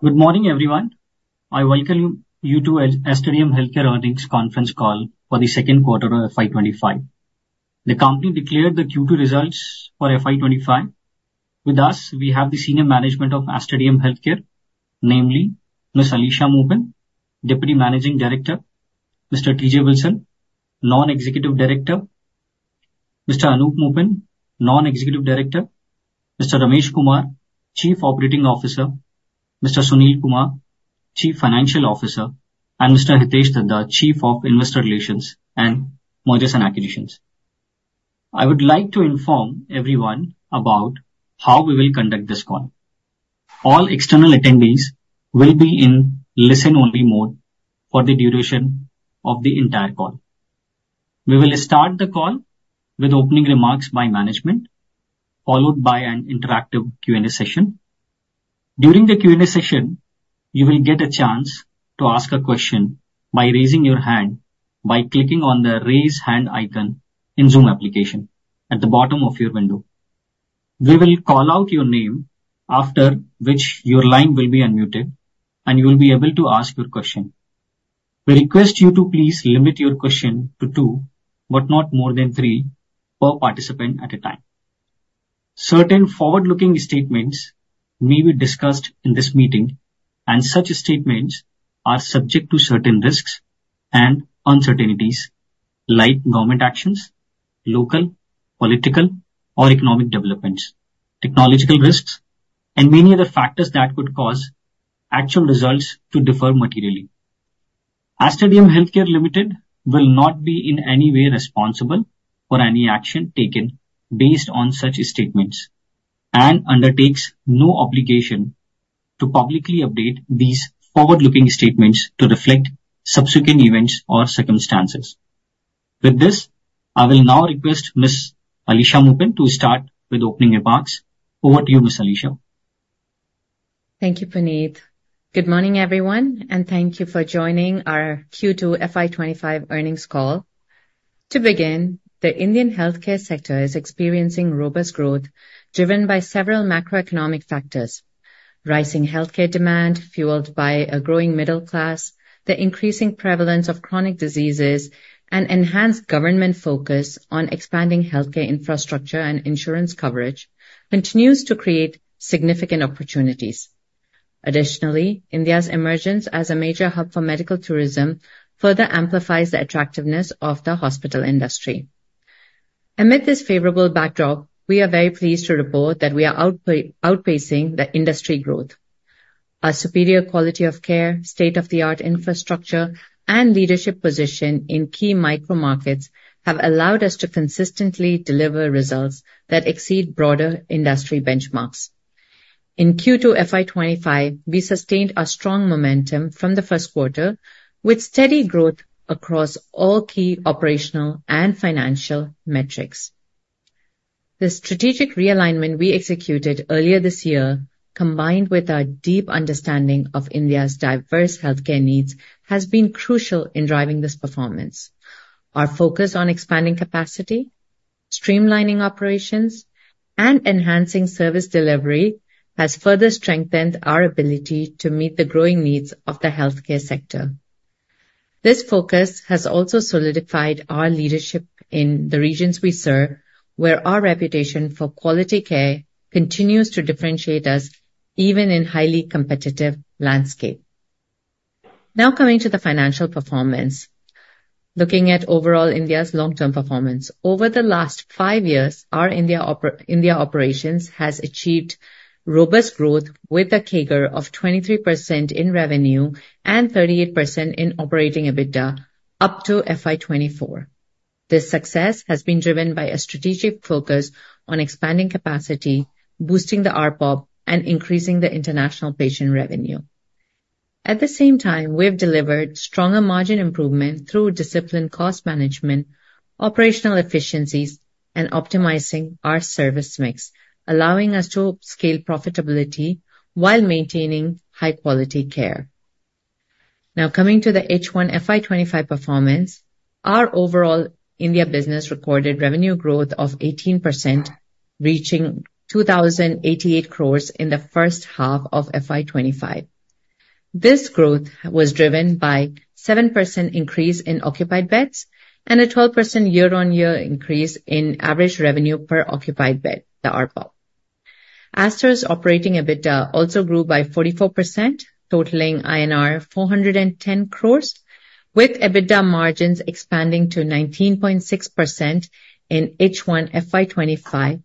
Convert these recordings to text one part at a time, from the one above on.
Good morning, everyone. I welcome you to Aster DM Healthcare Earnings conference call for the second quarter of FY25. The company declared the Q2 results for FY25. With us, we have the senior management of Aster DM Healthcare, namely Ms. Alisha Moopen, Deputy Managing Director, Mr. T.J. Wilson, Non-Executive Director, Mr. Anoop Moopen, Non-Executive Director, Mr. Ramesh Kumar, Chief Operating Officer, Mr. Sunil Kumar, Chief Financial Officer, and Mr. Hitesh Dhaddha, Chief of Investor Relations and Mergers and Acquisitions. I would like to inform everyone about how we will conduct this call. All external attendees will be in listen-only mode for the duration of the entire call. We will start the call with opening remarks by management, followed by an interactive Q&A session. During the Q&A session, you will get a chance to ask a question by raising your hand by clicking on the Raise Hand icon in Zoom application at the bottom of your window. We will call out your name, after which your line will be unmuted, and you will be able to ask your question. We request you to please limit your question to two, but not more than three per participant at a time. Certain forward-looking statements may be discussed in this meeting, and such statements are subject to certain risks and uncertainties, like government actions, local, political, or economic developments, technological risks, and many other factors that could cause actual results to differ materially. Aster DM Healthcare Limited will not be in any way responsible for any action taken based on such statements, and undertakes no obligation to publicly update these forward-looking statements to reflect subsequent events or circumstances. With this, I will now request Ms. Alisha Moopen to start with opening remarks. Over to you, Ms. Alisha. Thank you, Puneet. Good morning, everyone, and thank you for joining our Q two FY twenty-five earnings call. To begin, the Indian healthcare sector is experiencing robust growth, driven by several macroeconomic factors. Rising healthcare demand, fueled by a growing middle class, the increasing prevalence of chronic diseases, and enhanced government focus on expanding healthcare infrastructure and insurance coverage continues to create significant opportunities. Additionally, India's emergence as a major hub for medical tourism further amplifies the attractiveness of the hospital industry. Amid this favorable backdrop, we are very pleased to report that we are outpacing the industry growth. Our superior quality of care, state-of-the-art infrastructure, and leadership position in key micro markets have allowed us to consistently deliver results that exceed broader industry benchmarks. In Q two FY twenty-five, we sustained our strong momentum from the first quarter, with steady growth across all key operational and financial metrics. The strategic realignment we executed earlier this year, combined with our deep understanding of India's diverse healthcare needs, has been crucial in driving this performance. Our focus on expanding capacity, streamlining operations, and enhancing service delivery has further strengthened our ability to meet the growing needs of the healthcare sector. This focus has also solidified our leadership in the regions we serve, where our reputation for quality care continues to differentiate us even in a highly competitive landscape. Now, coming to the financial performance. Looking at overall India's long-term performance. Over the last five years, our India operations has achieved robust growth, with a CAGR of 23% in revenue and 38% in operating EBITDA up to FY 2024. This success has been driven by a strategic focus on expanding capacity, boosting the ARPOB, and increasing the international patient revenue. At the same time, we've delivered stronger margin improvement through disciplined cost management, operational efficiencies, and optimizing our service mix, allowing us to scale profitability while maintaining high-quality care. Now, coming to the H1 FY25 performance, our overall India business recorded revenue growth of 18%, reaching 2,088 crores in the first half of FY25. This growth was driven by 7% increase in occupied beds and a 12% year-on-year increase in average revenue per occupied bed, the RPOP. Aster's operating EBITDA also grew by 44%, totaling INR 410 crores, with EBITDA margins expanding to 19.6% in H1 FY25,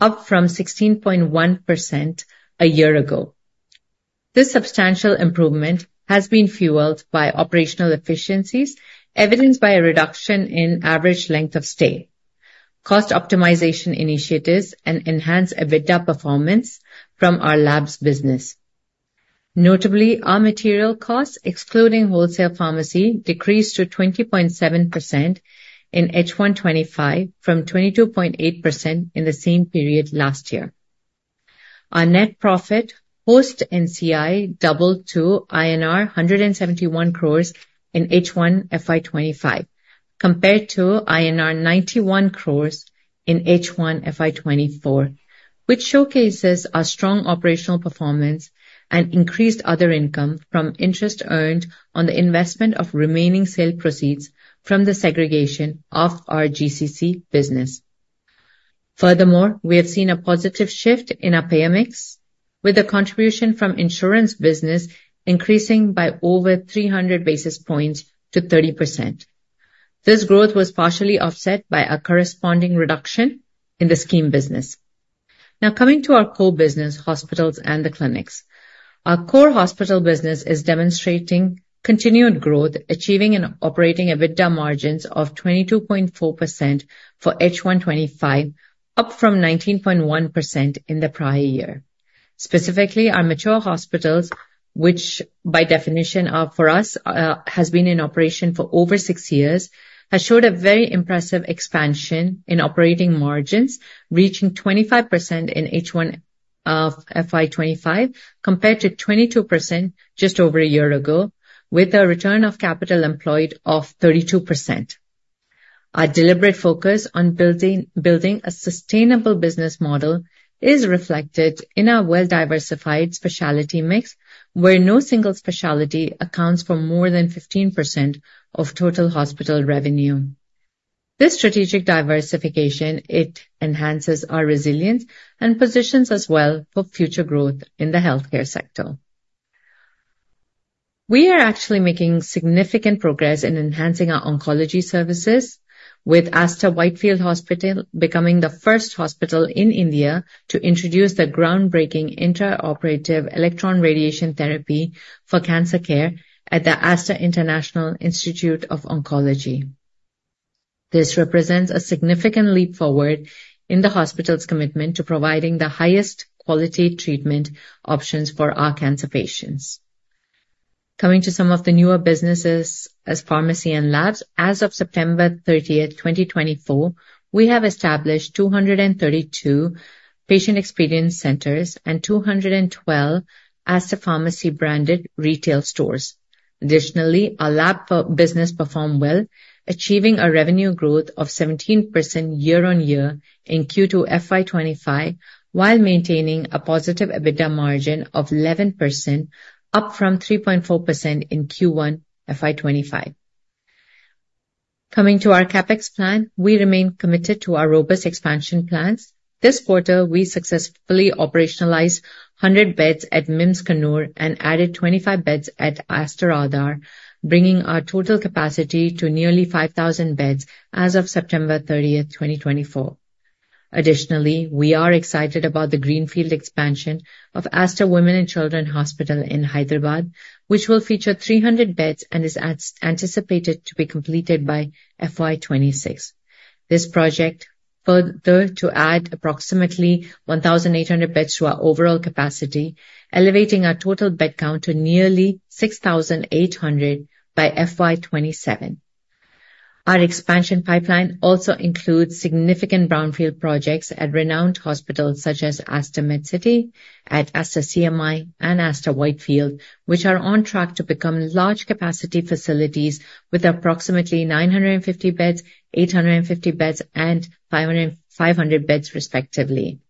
up from 16.1% a year ago. This substantial improvement has been fueled by operational efficiencies, evidenced by a reduction in average length of stay, cost optimization initiatives, and enhanced EBITDA performance from our labs business. Notably, our material costs, excluding wholesale pharmacy, decreased to 20.7% in H1 FY25 from 22.8% in the same period last year. Our net profit, post NCI, doubled to 171 crores in H1 FY 2025, compared to INR 91 crores in H1 FY 2024, which showcases our strong operational performance and increased other income from interest earned on the investment of remaining sale proceeds from the segregation of our GCC business. Furthermore, we have seen a positive shift in our payer mix, with the contribution from insurance business increasing by over 300 basis points to 30%. This growth was partially offset by a corresponding reduction in the scheme business. Now coming to our core business, hospitals and the clinics. Our core hospital business is demonstrating continued growth, achieving an operating EBITDA margins of 22.4% for H1 2025, up from 19.1% in the prior year. Specifically, our mature hospitals, which by definition are for us, has been in operation for over six years, has showed a very impressive expansion in operating margins, reaching 25% in H1 of FY 2025, compared to 22% just over a year ago, with a return of capital employed of 32%. Our deliberate focus on building a sustainable business model is reflected in our well-diversified specialty mix, where no single specialty accounts for more than 15% of total hospital revenue. This strategic diversification, it enhances our resilience and positions us well for future growth in the healthcare sector. We are actually making significant progress in enhancing our oncology services, with Aster Whitefield Hospital becoming the first hospital in India to introduce the groundbreaking intraoperative electron radiation therapy for cancer care at the Aster International Institute of Oncology. This represents a significant leap forward in the hospital's commitment to providing the highest quality treatment options for our cancer patients. Coming to some of the newer businesses as pharmacy and labs. As of September thirtieth, 2024, we have established 232 patient experience centers and 212 Aster Pharmacy branded retail stores. Additionally, our lab for business performed well, achieving a revenue growth of 17% year on year in Q2 FY25, while maintaining a positive EBITDA margin of 11%, up from 3.4% in Q1 FY25. Coming to our CapEx plan, we remain committed to our robust expansion plans. This quarter, we successfully operationalized 100 beds at MIMS Kannur and added 25 beds at Aster Aadhar, bringing our total capacity to nearly 5,000 beds as of September 30, 2024. Additionally, we are excited about the greenfield expansion of Aster Women & Children Hospital in Hyderabad, which will feature 300 beds and is anticipated to be completed by FY26. This project further to add approximately 1,800 beds to our overall capacity, elevating our total bed count to nearly 6,800 by FY27. Our expansion pipeline also includes significant brownfield projects at renowned hospitals such as Aster Medcity, Aster CMI, and Aster Whitefield, which are on track to become large capacity facilities with approximately 950 beds, 850 beds, and 500 beds, respectively.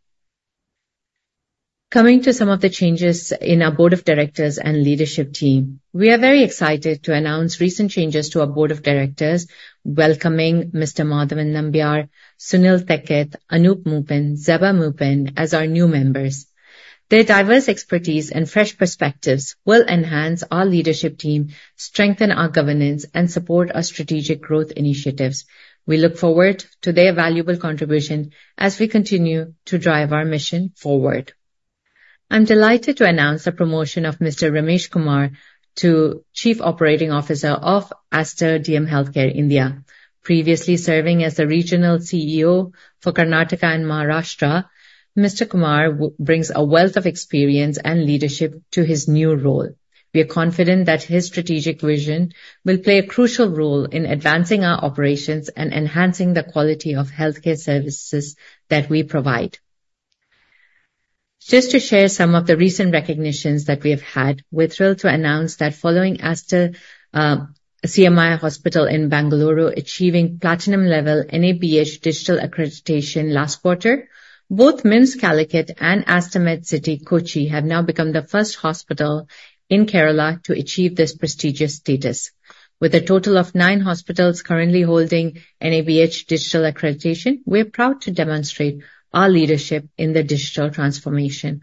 Coming to some of the changes in our board of directors and leadership team. We are very excited to announce recent changes to our board of directors, welcoming Mr. Madhavan Nambiar, Sunil Theckath Vasudevan, Anoop Moopen, Zeba Moopen as our new members. Their diverse expertise and fresh perspectives will enhance our leadership team, strengthen our governance, and support our strategic growth initiatives. We look forward to their valuable contribution as we continue to drive our mission forward. I'm delighted to announce the promotion of Mr. Ramesh Kumar to Chief Operating Officer of Aster DM Healthcare India. Previously serving as the Regional CEO for Karnataka and Maharashtra, Mr. Kumar brings a wealth of experience and leadership to his new role. We are confident that his strategic vision will play a crucial role in advancing our operations and enhancing the quality of healthcare services that we provide. Just to share some of the recent recognitions that we have had, we're thrilled to announce that following Aster CMI Hospital in Bengaluru achieving platinum-level NABH digital accreditation last quarter, both MIMS Calicut and Aster Medcity Kochi have now become the first hospital in Kerala to achieve this prestigious status. With a total of nine hospitals currently holding NABH digital accreditation, we're proud to demonstrate our leadership in the digital transformation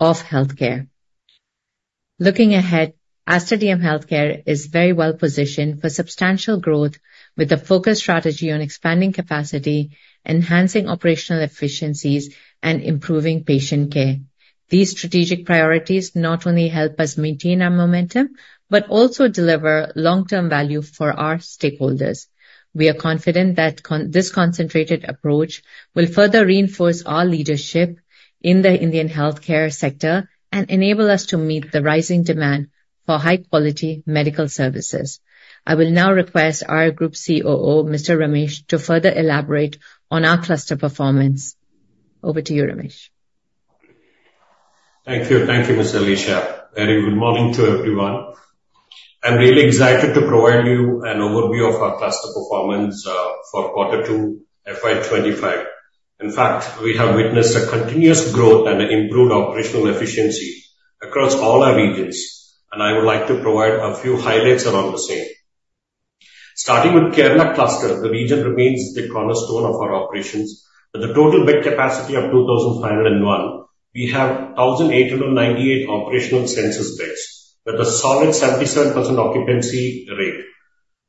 of healthcare. Looking ahead, Aster DM Healthcare is very well positioned for substantial growth with a focused strategy on expanding capacity, enhancing operational efficiencies, and improving patient care. These strategic priorities not only help us maintain our momentum, but also deliver long-term value for our stakeholders. We are confident that this concentrated approach will further reinforce our leadership in the Indian healthcare sector and enable us to meet the rising demand for high-quality medical services. I will now request our Group COO, Mr. Ramesh, to further elaborate on our cluster performance. Over to you, Ramesh. ... Thank you. Thank you, Ms. Alisha. A very good morning to everyone. I'm really excited to provide you an overview of our cluster performance for quarter two, FY25. In fact, we have witnessed a continuous growth and improved operational efficiency across all our regions, and I would like to provide a few highlights around the same. Starting with Kerala cluster, the region remains the cornerstone of our operations with a total bed capacity of 2,501. We have 1,898 operational census beds, with a solid 77% occupancy rate.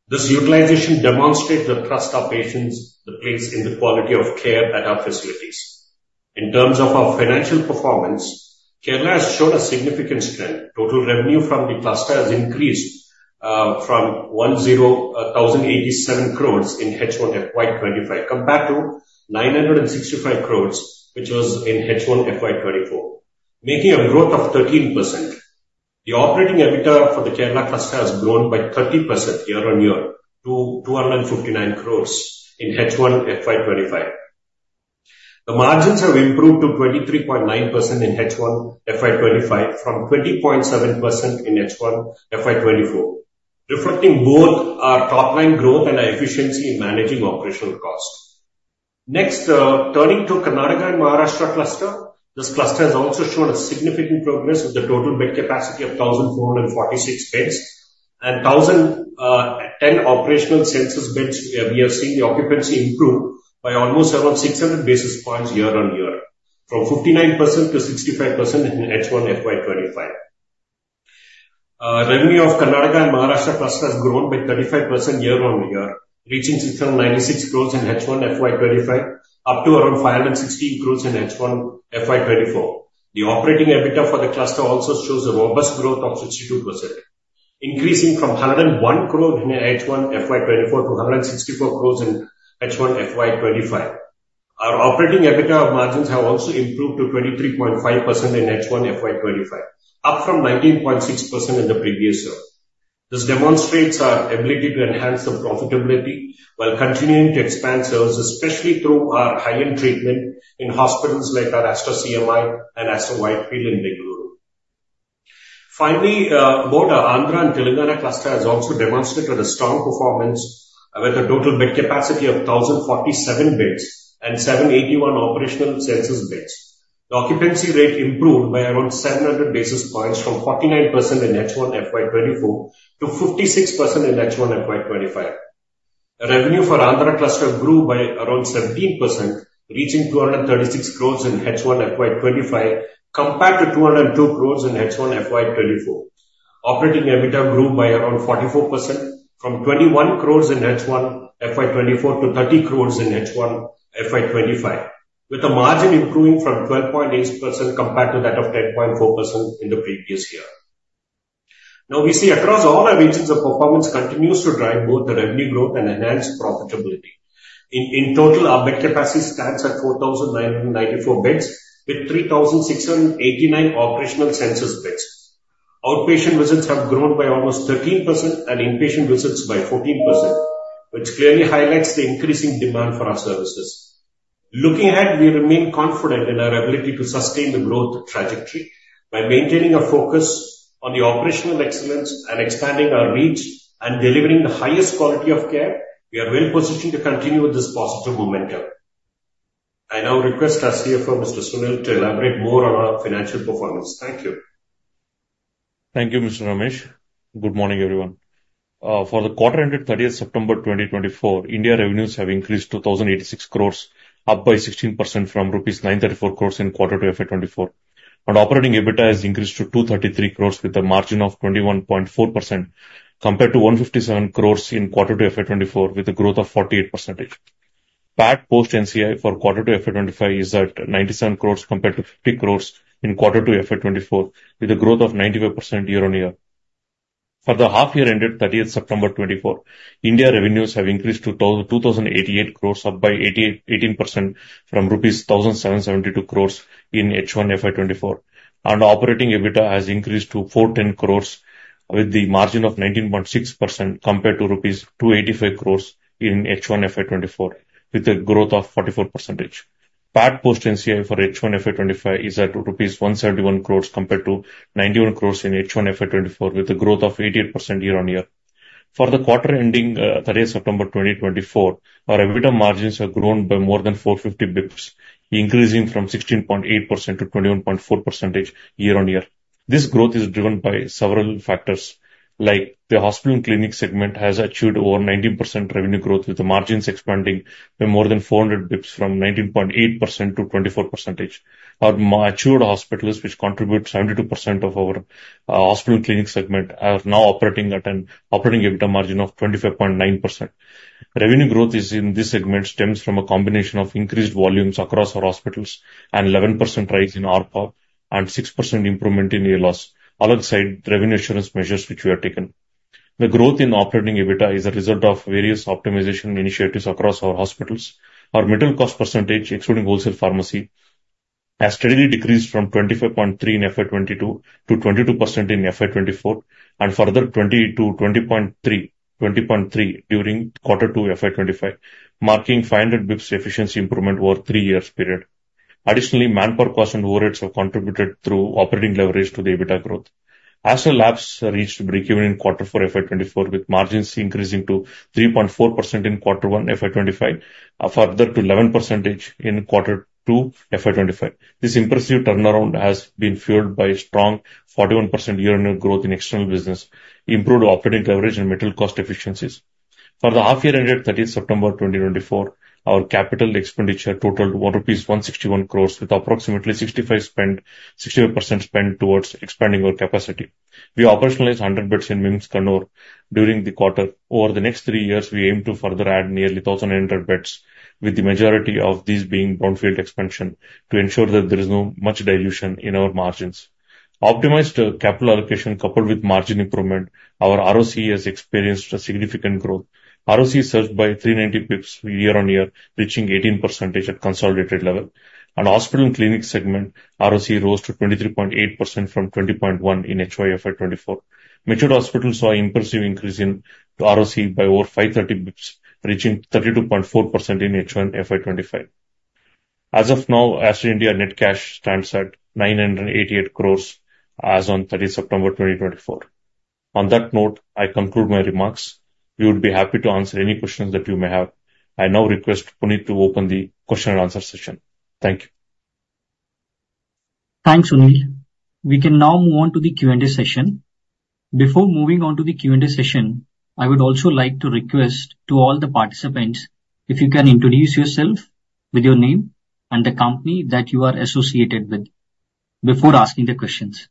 This utilization demonstrates the trust our patients place in the quality of care at our facilities. In terms of our financial performance, Kerala has showed a significant strength. Total revenue from the cluster has increased from 1,087 crores in H1 FY25, compared to 965 crores, which was in H1 FY24, making a growth of 13%. The operating EBITDA for the Kerala cluster has grown by 30% year-on-year to 259 crores in H1 FY25. The margins have improved to 23.9% in H1 FY25 from 20.7% in H1 FY24, reflecting both our top line growth and our efficiency in managing operational costs. Next, turning to Karnataka and Maharashtra cluster. This cluster has also shown a significant progress with the total bed capacity of 1,446 beds and 1,010 operational census beds, where we are seeing the occupancy improve by almost around 600 basis points year-on-year, from 59% to 65% in H1 FY 2025. Revenue of Karnataka and Maharashtra cluster has grown by 35% year-on-year, reaching 696 crores in H1 FY 2025, up to around 516 crores in H1 FY 2024. The operating EBITDA for the cluster also shows a robust growth of 62%, increasing from 101 crore in H1 FY 2024 to 164 crores in H1 FY 2025. Our operating EBITDA margins have also improved to 23.5% in H1 FY 2025, up from 19.6% in the previous year. This demonstrates our ability to enhance the profitability while continuing to expand services, especially through our high-end treatment in hospitals like our Aster CMI and Aster Whitefield in Bengaluru. Finally, both Andhra and Telangana cluster has also demonstrated a strong performance with a total bed capacity of 1,047 beds and 781 operational census beds. The occupancy rate improved by around 700 basis points from 49% in H1 FY 2024 to 56% in H1 FY 2025. Revenue for Andhra cluster grew by around 17%, reaching 236 crores in H1 FY 2025, compared to 202 crores in H1 FY 2024. Operating EBITDA grew by around 44%, from 21 crores in H1 FY 2024 to 30 crores in H1 FY 2025, with a margin improving from 12.8% compared to that of 10.4% in the previous year. Now, we see across all our regions, the performance continues to drive both the revenue growth and enhanced profitability. In total, our bed capacity stands at 4,999 beds, with 3,689 operational census beds. Outpatient visits have grown by almost 13% and inpatient visits by 14%, which clearly highlights the increasing demand for our services. Looking ahead, we remain confident in our ability to sustain the growth trajectory by maintaining a focus on the operational excellence and expanding our reach and delivering the highest quality of care. We are well positioned to continue with this positive momentum. I now request our CFO, Mr. Sunil, to elaborate more on our financial performance. Thank you. Thank you, Mr. Ramesh. Good morning, everyone. For the quarter ended thirtieth September 2024, India revenues have increased to 1,086 crores, up by 16% from rupees 934 crores in Q2 FY24, and operating EBITDA has increased to 233 crores with a margin of 21.4%, compared to 157 crores in Q2 FY24, with a growth of 48%. PAT post NCI for Q2 FY25 is at 97 crores compared to 50 crores in Q2 FY24, with a growth of 95% year-on-year. For the half year ended thirtieth September 2024, India revenues have increased to 2,088 crores, up 18% from rupees 1,772 crores in H1 FY 2024, and operating EBITDA has increased to 410 crores with the margin of 19.6% compared to rupees 285 crores in H1 FY 2024, with a growth of 44%. PAT post NCI for H1 FY 2025 is at rupees 171 crores compared to 91 crores in H1 FY 2024, with a growth of 88% year-on-year. For the quarter ending thirtieth September 2024, our EBITDA margins have grown by more than 450 basis points, increasing from 16.8% to 21.4% year-on-year. This growth is driven by several factors, like the hospital and clinic segment has achieved over 19% revenue growth, with the margins expanding by more than four hundred basis points from 19.8% to 24%. Our matured hospitals, which contribute 72% of our hospital clinic segment, are now operating at an operating EBITDA margin of 25.9%. Revenue growth is in this segment stems from a combination of increased volumes across our hospitals and 11% rise in ARPA and 6% improvement in ALOS, alongside revenue assurance measures, which we have taken. The growth in operating EBITDA is a result of various optimization initiatives across our hospitals. Our material cost percentage, excluding wholesale pharmacy, has steadily decreased from 25.3% in FY 2022 to 22% in FY 2024 and further 20%-20.3% during quarter two FY 2025, marking 500 basis points efficiency improvement over three years period. Additionally, manpower costs and overheads have contributed through operating leverage to the EBITDA growth. Aster Labs reached breakeven in quarter four FY 2024, with margins increasing to 3.4% in quarter one, FY 2025, further to 11% in quarter two, FY 2025. This impressive turnaround has been fueled by strong 41% year-on-year growth in external business, improved operating coverage, and material cost efficiencies. For the half year ended 30th September 2024, our capital expenditure totaled 161 crores, with approximately 65% spent towards expanding our capacity. We operationalized 100 beds in MIMS Kannur during the quarter. Over the next three years, we aim to further add nearly 1,800 beds, with the majority of these being brownfield expansion, to ensure that there is not much dilution in our margins. Optimized capital allocation, coupled with margin improvement, our ROCE has experienced a significant growth. ROCE surged by 390 basis points year-on-year, reaching 18% at consolidated level. On hospital and clinic segment, ROCE rose to 23.8% from 20.1 in H1 FY24. Matured hospitals saw impressive increase in ROCE by over 530 basis points, reaching 32.4% in H1 FY25. As of now, Aster India net cash stands at 988 crores as on 30 September 2024. On that note, I conclude my remarks. We would be happy to answer any questions that you may have. I now request Puneet to open the question and answer session. Thank you. Thanks, Sunil. We can now move on to the Q&A session. Before moving on to the Q&A session, I would also like to request to all the participants, if you can introduce yourself with your name and the company that you are associated with before asking the questions.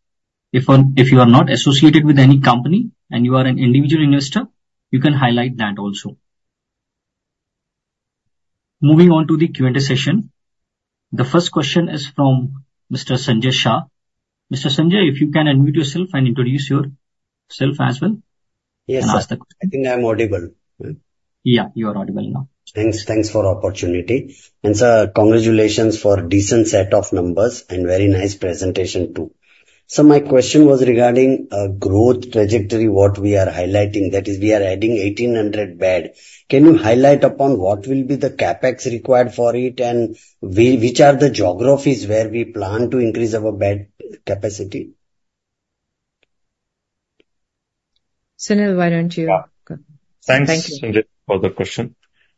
If you are not associated with any company and you are an individual investor, you can highlight that also. Moving on to the Q&A session, the first question is from Mr. Sanjay Shah. Mr. Sanjay, if you can unmute yourself and introduce yourself as well. Yes, sir. You can ask the question. I think I'm audible. Yeah, you are audible now. Thanks. Thanks for opportunity. And, sir, congratulations for decent set of numbers and very nice presentation, too. So my question was regarding growth trajectory, what we are highlighting, that is we are adding 1,800 bed. Can you highlight upon what will be the CapEx required for it, and which are the geographies where we plan to increase our bed capacity? Sunil, why don't you? Yeah. Thank you. Thanks, Sanjay, for the question.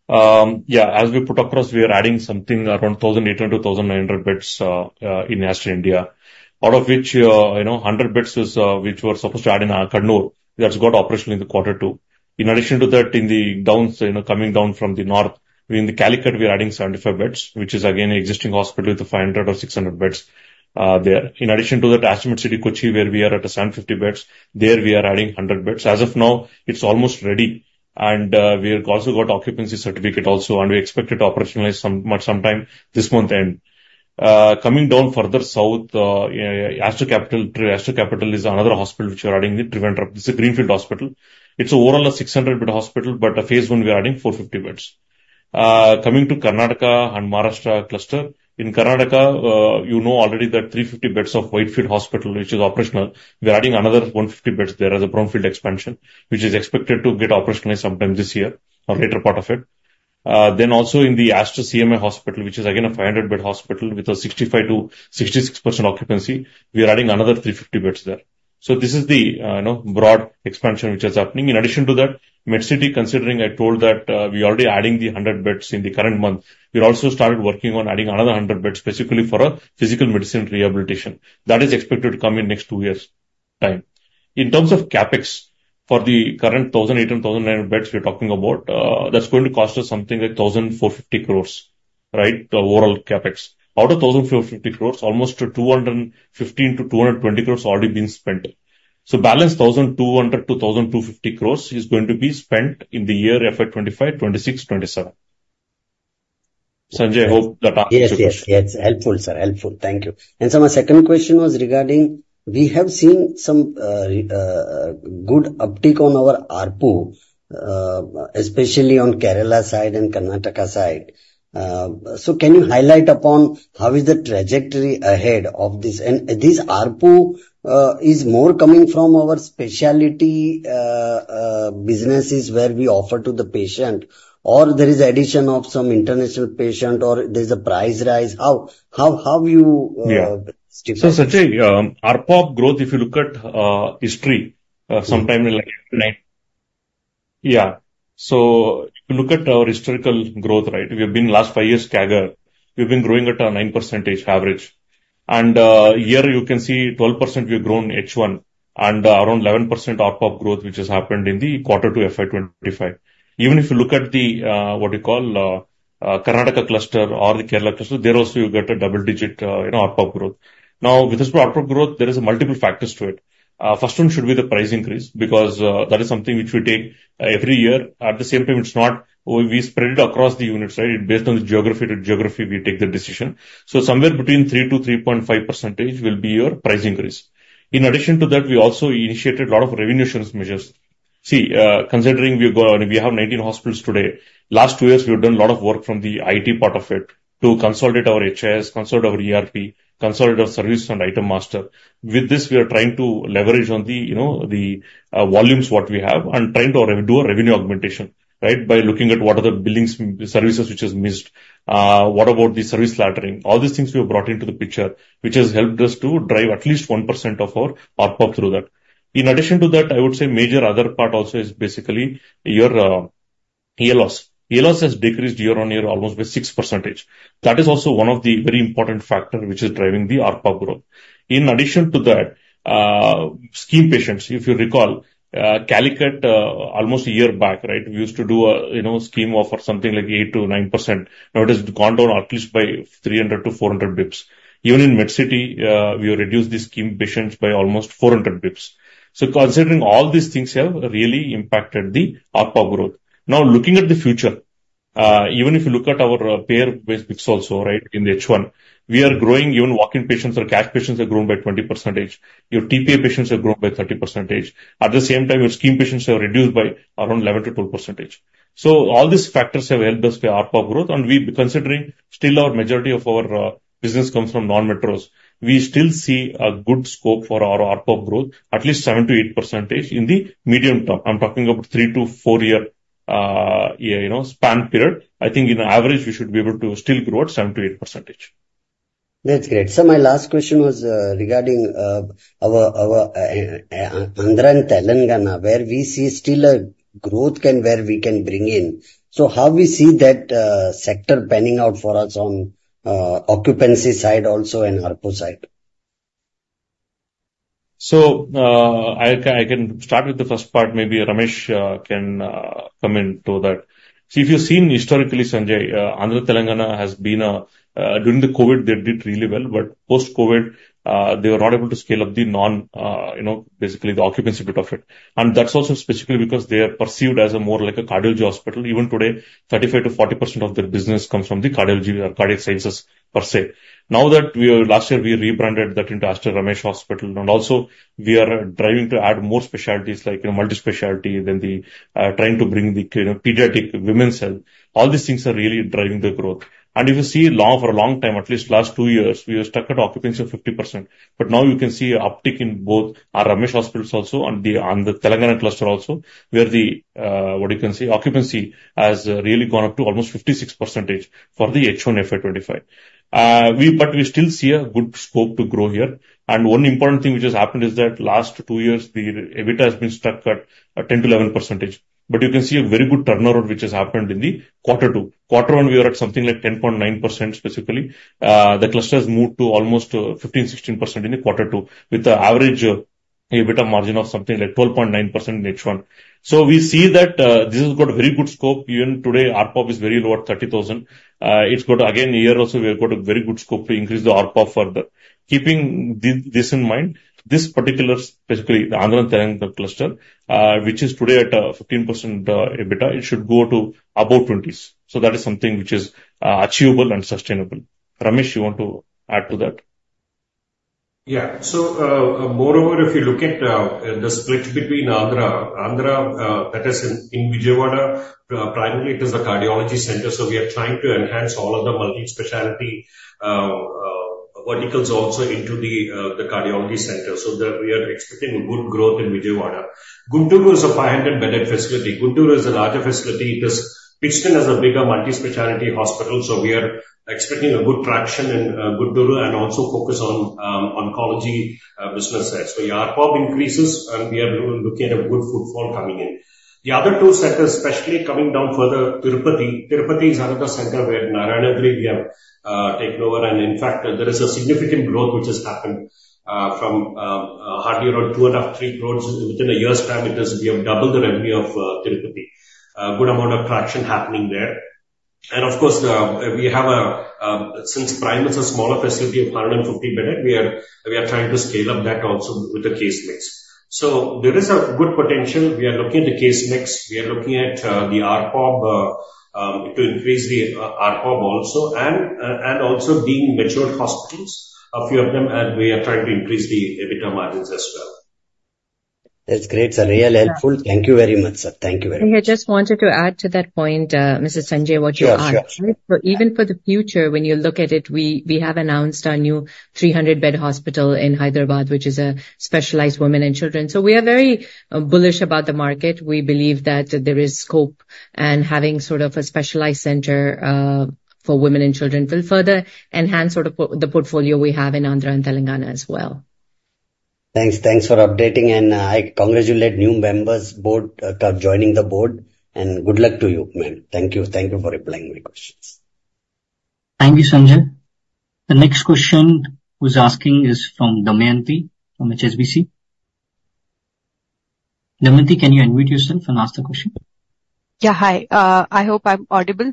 Yeah, as we put across, we are adding something around 1,800 to 1,900 beds in Aster India. Out of which, you know, 100 beds is which we're supposed to add in Kannur. That's got operational in the quarter two. In addition to that, in the downs, you know, coming down from the north, in the Calicut, we are adding 75 beds, which is again an existing hospital with 500 or 600 beds there. In addition to that, Aster Medcity Kochi, where we are at 750 beds, there we are adding 100 beds. As of now, it's almost ready, and we have also got occupancy certificate also, and we expect it to operationalize sometime this month end. Coming down further south, Aster Capital, Aster Capital is another hospital which we are adding in Trivandrum. It's a greenfield hospital. It's overall a 600-bed hospital, but the phase one, we are adding 450 beds. Coming to Karnataka and Maharashtra cluster, in Karnataka, you know already that 350 beds of Whitefield Hospital, which is operational, we are adding another 150 beds there as a brownfield expansion, which is expected to get operationalized sometime this year or later part of it. Then also in the Aster CMI Hospital, which is again, a 500-bed hospital with a 65% to 66% occupancy, we are adding another 350 beds there. So this is the, you know, broad expansion which is happening. In addition to that, Medcity, considering I told that, we're already adding the 100 beds in the current month. We also started working on adding another 100 beds, specifically for a physical medicine rehabilitation. That is expected to come in next two years' time. In terms of CapEx, for the current 1,800, 1,900 beds we're talking about, that's going to cost us something like 1,450 crores, right? The overall CapEx. Out of 1,450 crores, almost 215-220 crores already been spent. So balance 1,200-1,250 crores is going to be spent in the year FY 2025, 2026, 2027. Sanjay, I hope that answers the question. Yes, yes, yes. Helpful, sir. Helpful. Thank you. And so my second question was regarding, we have seen some good uptick on our ARPU, especially on Kerala side and Karnataka side. So can you highlight upon how is the trajectory ahead of this? And this ARPU is more coming from our specialty businesses where we offer to the patient, or there is addition of some international patient, or there's a price rise. How you Yeah. -state that? So Sanjay, ARPU of growth, if you look at history. So if you look at our historical growth, right, we have been last five years CAGR, we've been growing at a 9% average. And here you can see 12% we've grown H1, and around 11% ARPU growth, which has happened in the quarter 2 FY25. Even if you look at the what you call Karnataka cluster or the Kerala cluster, there also you get a double digit, you know, ARPU growth. Now, with this ARPU growth, there is multiple factors to it. First one should be the price increase, because that is something which we take every year. At the same time, it's not we spread it across the units, right? It's based on the geography. To geography, we take the decision. So somewhere between 3%-3.5% will be your price increase. In addition to that, we also initiated a lot of revenue assurance measures. See, considering we have 19 hospitals today, last two years, we have done a lot of work from the IT part of it to consolidate our HIS, consolidate our ERP, consolidate our service and item master. With this, we are trying to leverage on the, you know, the, volumes what we have and trying to do a revenue augmentation, right? By looking at what are the billings services which is missed, what about the service slotting. All these things we have brought into the picture, which has helped us to drive at least 1% of our ARPA through that. In addition to that, I would say major other part also is basically your ALOS. ALOS has decreased year-on-year almost by 6%. That is also one of the very important factor which is driving the ARPA growth. In addition to that, scheme patients, if you recall, Calicut, almost a year back, right, we used to do a, you know, scheme of something like 8% to 9%. Now, it has gone down at least by 300 to 400 basis points. Even in MedCity, we have reduced the scheme patients by almost 400 basis points. So considering all these things have really impacted the ARPA growth. Now, looking at the future, even if you look at our pay-per-base mix also, right, in the H1, we are growing even walk-in patients or cash patients have grown by 20%. Your TPA patients have grown by 30%. At the same time, your scheme patients have reduced by around 11-12%. So all these factors have helped us with ARPA growth, and we've been considering still our majority of our business comes from non-metros. We still see a good scope for our ARPA growth, at least 7-8% in the medium term. I'm talking about three to four year, you know, span period. I think in average, we should be able to still grow at 7-8%. That's great. So my last question was regarding our Andhra and Telangana, where we see still a growth where we can bring in. So how we see that sector panning out for us on occupancy side also and ARPA side? I can start with the first part. Maybe Ramesh can come in to that. If you've seen historically, Sanjay, Andhra, Telangana has been... During the COVID, they did really well, but post-COVID, they were not able to scale up the non, you know, basically the occupancy bit of it. And that's also specifically because they are perceived as a more like a cardiology hospital. Even today, 35%-40% of their business comes from the cardiology or cardiac sciences per se. Now that we are last year, we rebranded that into Aster Ramesh Hospital, and also we are driving to add more specialties like multi-specialty, then the, trying to bring the pediatric, women's health. All these things are really driving the growth. If you see long for a long time, at least last two years, we were stuck at occupancy of 50%. But now you can see an uptick in both our Ramesh hospitals also and the Telangana cluster also, where what you can say, occupancy has really gone up to almost 56% for the H1 FY 2025. But we still see a good scope to grow here. One important thing which has happened is that last two years, the EBITDA has been stuck at 10%-11%, but you can see a very good turnaround which has happened in the quarter two. Quarter one, we are at something like 10.9%, specifically. The cluster has moved to almost 15-16% in quarter two, with the average EBITDA margin of something like 12.9% in H1. So we see that, this has got a very good scope. Even today, ARPOB is very low at 30,000. It's got, again, here also we have got a very good scope to increase the ARPOB further. Keeping this, this in mind, this particular, specifically the Andhra and Telangana cluster, which is today at a 15%, EBITDA, it should go to about twenties. So that is something which is, achievable and sustainable. Ramesh, you want to add to that? Yeah. So, moreover, if you look at the split between Andhra, that is in Vijayawada, primarily it is a cardiology center, so we are trying to enhance all of the multi-specialty verticals also into the cardiology center, so that we are expecting good growth in Vijayawada. Guntur is a 500-bedded facility. Guntur is a larger facility. It is which has a bigger multi-specialty hospital, so we are expecting good traction in Guntur and also focus on oncology business there. So your ARPOB increases, and we are looking at a good footfall coming in. The other two centers, especially coming down further, Tirupati. Tirupati is another center where Narayanadri we have taken over, and in fact, there is a significant growth which has happened from hardly around 2.5-3 crores. Within a year's time, it is we have doubled the revenue of Tirupati. Good amount of traction happening there. And of course, we have a since Prime is a smaller facility of 150-bedded, we are trying to scale up that also with the case mix. So there is a good potential. We are looking at the case mix, we are looking at the ARPOB to increase the ARPOB also, and also the mature hospitals, a few of them, and we are trying to increase the EBITDA margins as well. That's great, sir. Really helpful. Thank you very much, sir. Thank you very much. I just wanted to add to that point, Mr. Sanjay, what you asked. Yes, yes. Even for the future, when you look at it, we have announced our new 300-bed hospital in Hyderabad, which is a specialized women and children. So we are very bullish about the market. We believe that there is scope, and having sort of a specialized center for women and children will further enhance sort of the portfolio we have in Andhra and Telangana as well. Thanks. Thanks for updating, and, I congratulate new members board, joining the board, and good luck to you, ma'am. Thank you. Thank you for replying my questions. Thank you, Sanjay. The next question who's asking is from Damayanti from HSBC. Damayanti, can you unmute yourself and ask the question? Yeah, hi, I hope I'm audible.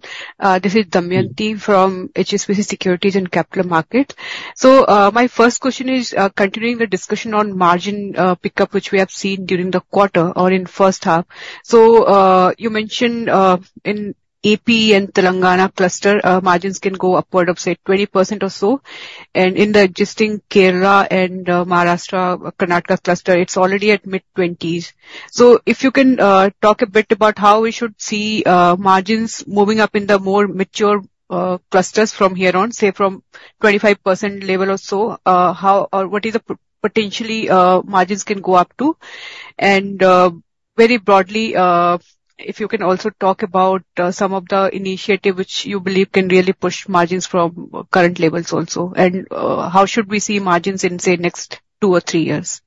This is Damayanti from HSBC Securities and Capital Markets. So, my first question is, continuing the discussion on margin pickup, which we have seen during the quarter or in first half. So, you mentioned, in AP and Telangana cluster, margins can go upward of, say, 20% or so, and in the existing Kerala and Maharashtra, Karnataka cluster, it's already at mid-twenties. So if you can, talk a bit about how we should see, margins moving up in the more mature, clusters from here on, say, from 25% level or so, how or what is the potentially, margins can go up to? And very broadly, if you can also talk about some of the initiatives which you believe can really push margins from current levels also? And how should we see margins in, say, next two or three years?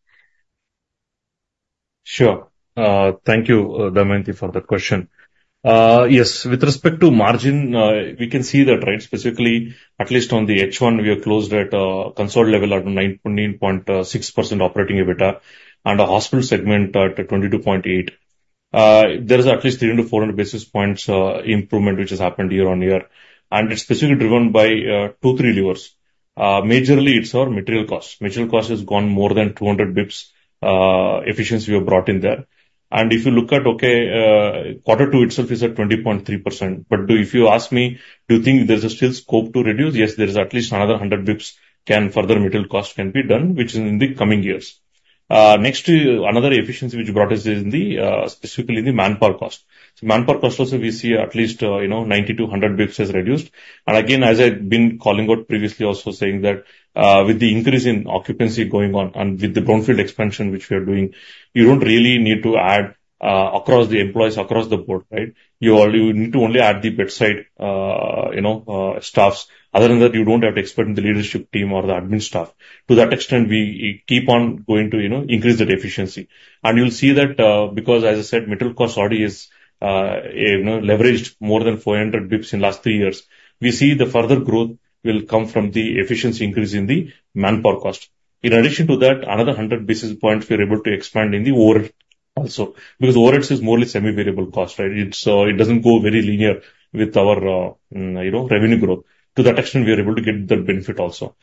Sure. Thank you, Damayanti, for that question. Yes, with respect to margin, we can see that, right? Specifically, at least on the H1, we have closed at a consolidated level at 9.6% operating EBITDA, and the hospital segment at 22.8%. There is at least 300 to 400 basis points improvement which has happened year-on-year, and it's specifically driven by two, three levers. Majorly, it's our material costs. Material cost has gone more than 200 basis points, efficiency we have brought in there. And if you look at, okay, quarter two itself is at 20.3%. But if you ask me, do you think there's still scope to reduce? Yes, there is at least another 100 basis points; further material costs can be done, which is in the coming years. Next, another efficiency which we brought is in the, specifically in the manpower cost. So manpower cost also, we see at least, you know, ninety to a hundred basis points has reduced. And again, as I've been calling out previously, also saying that, with the increase in occupancy going on and with the brownfield expansion, which we are doing, you don't really need to add, across the employees, across the board, right? You only need to add the bedside, you know, staffs. Other than that, you don't have to expand the leadership team or the admin staff. To that extent, we keep on going to, you know, increase that efficiency. And you'll see that, because, as I said, material cost already is, you know, leveraged more than four hundred basis points in last three years. We see the further growth will come from the efficiency increase in the manpower cost. In addition to that, another hundred basis points we are able to expand in the overhead also, because overheads is mostly semi-variable cost, right? It's, it doesn't go very linear with our, you know, revenue growth. To that extent, we are able to get that benefit also.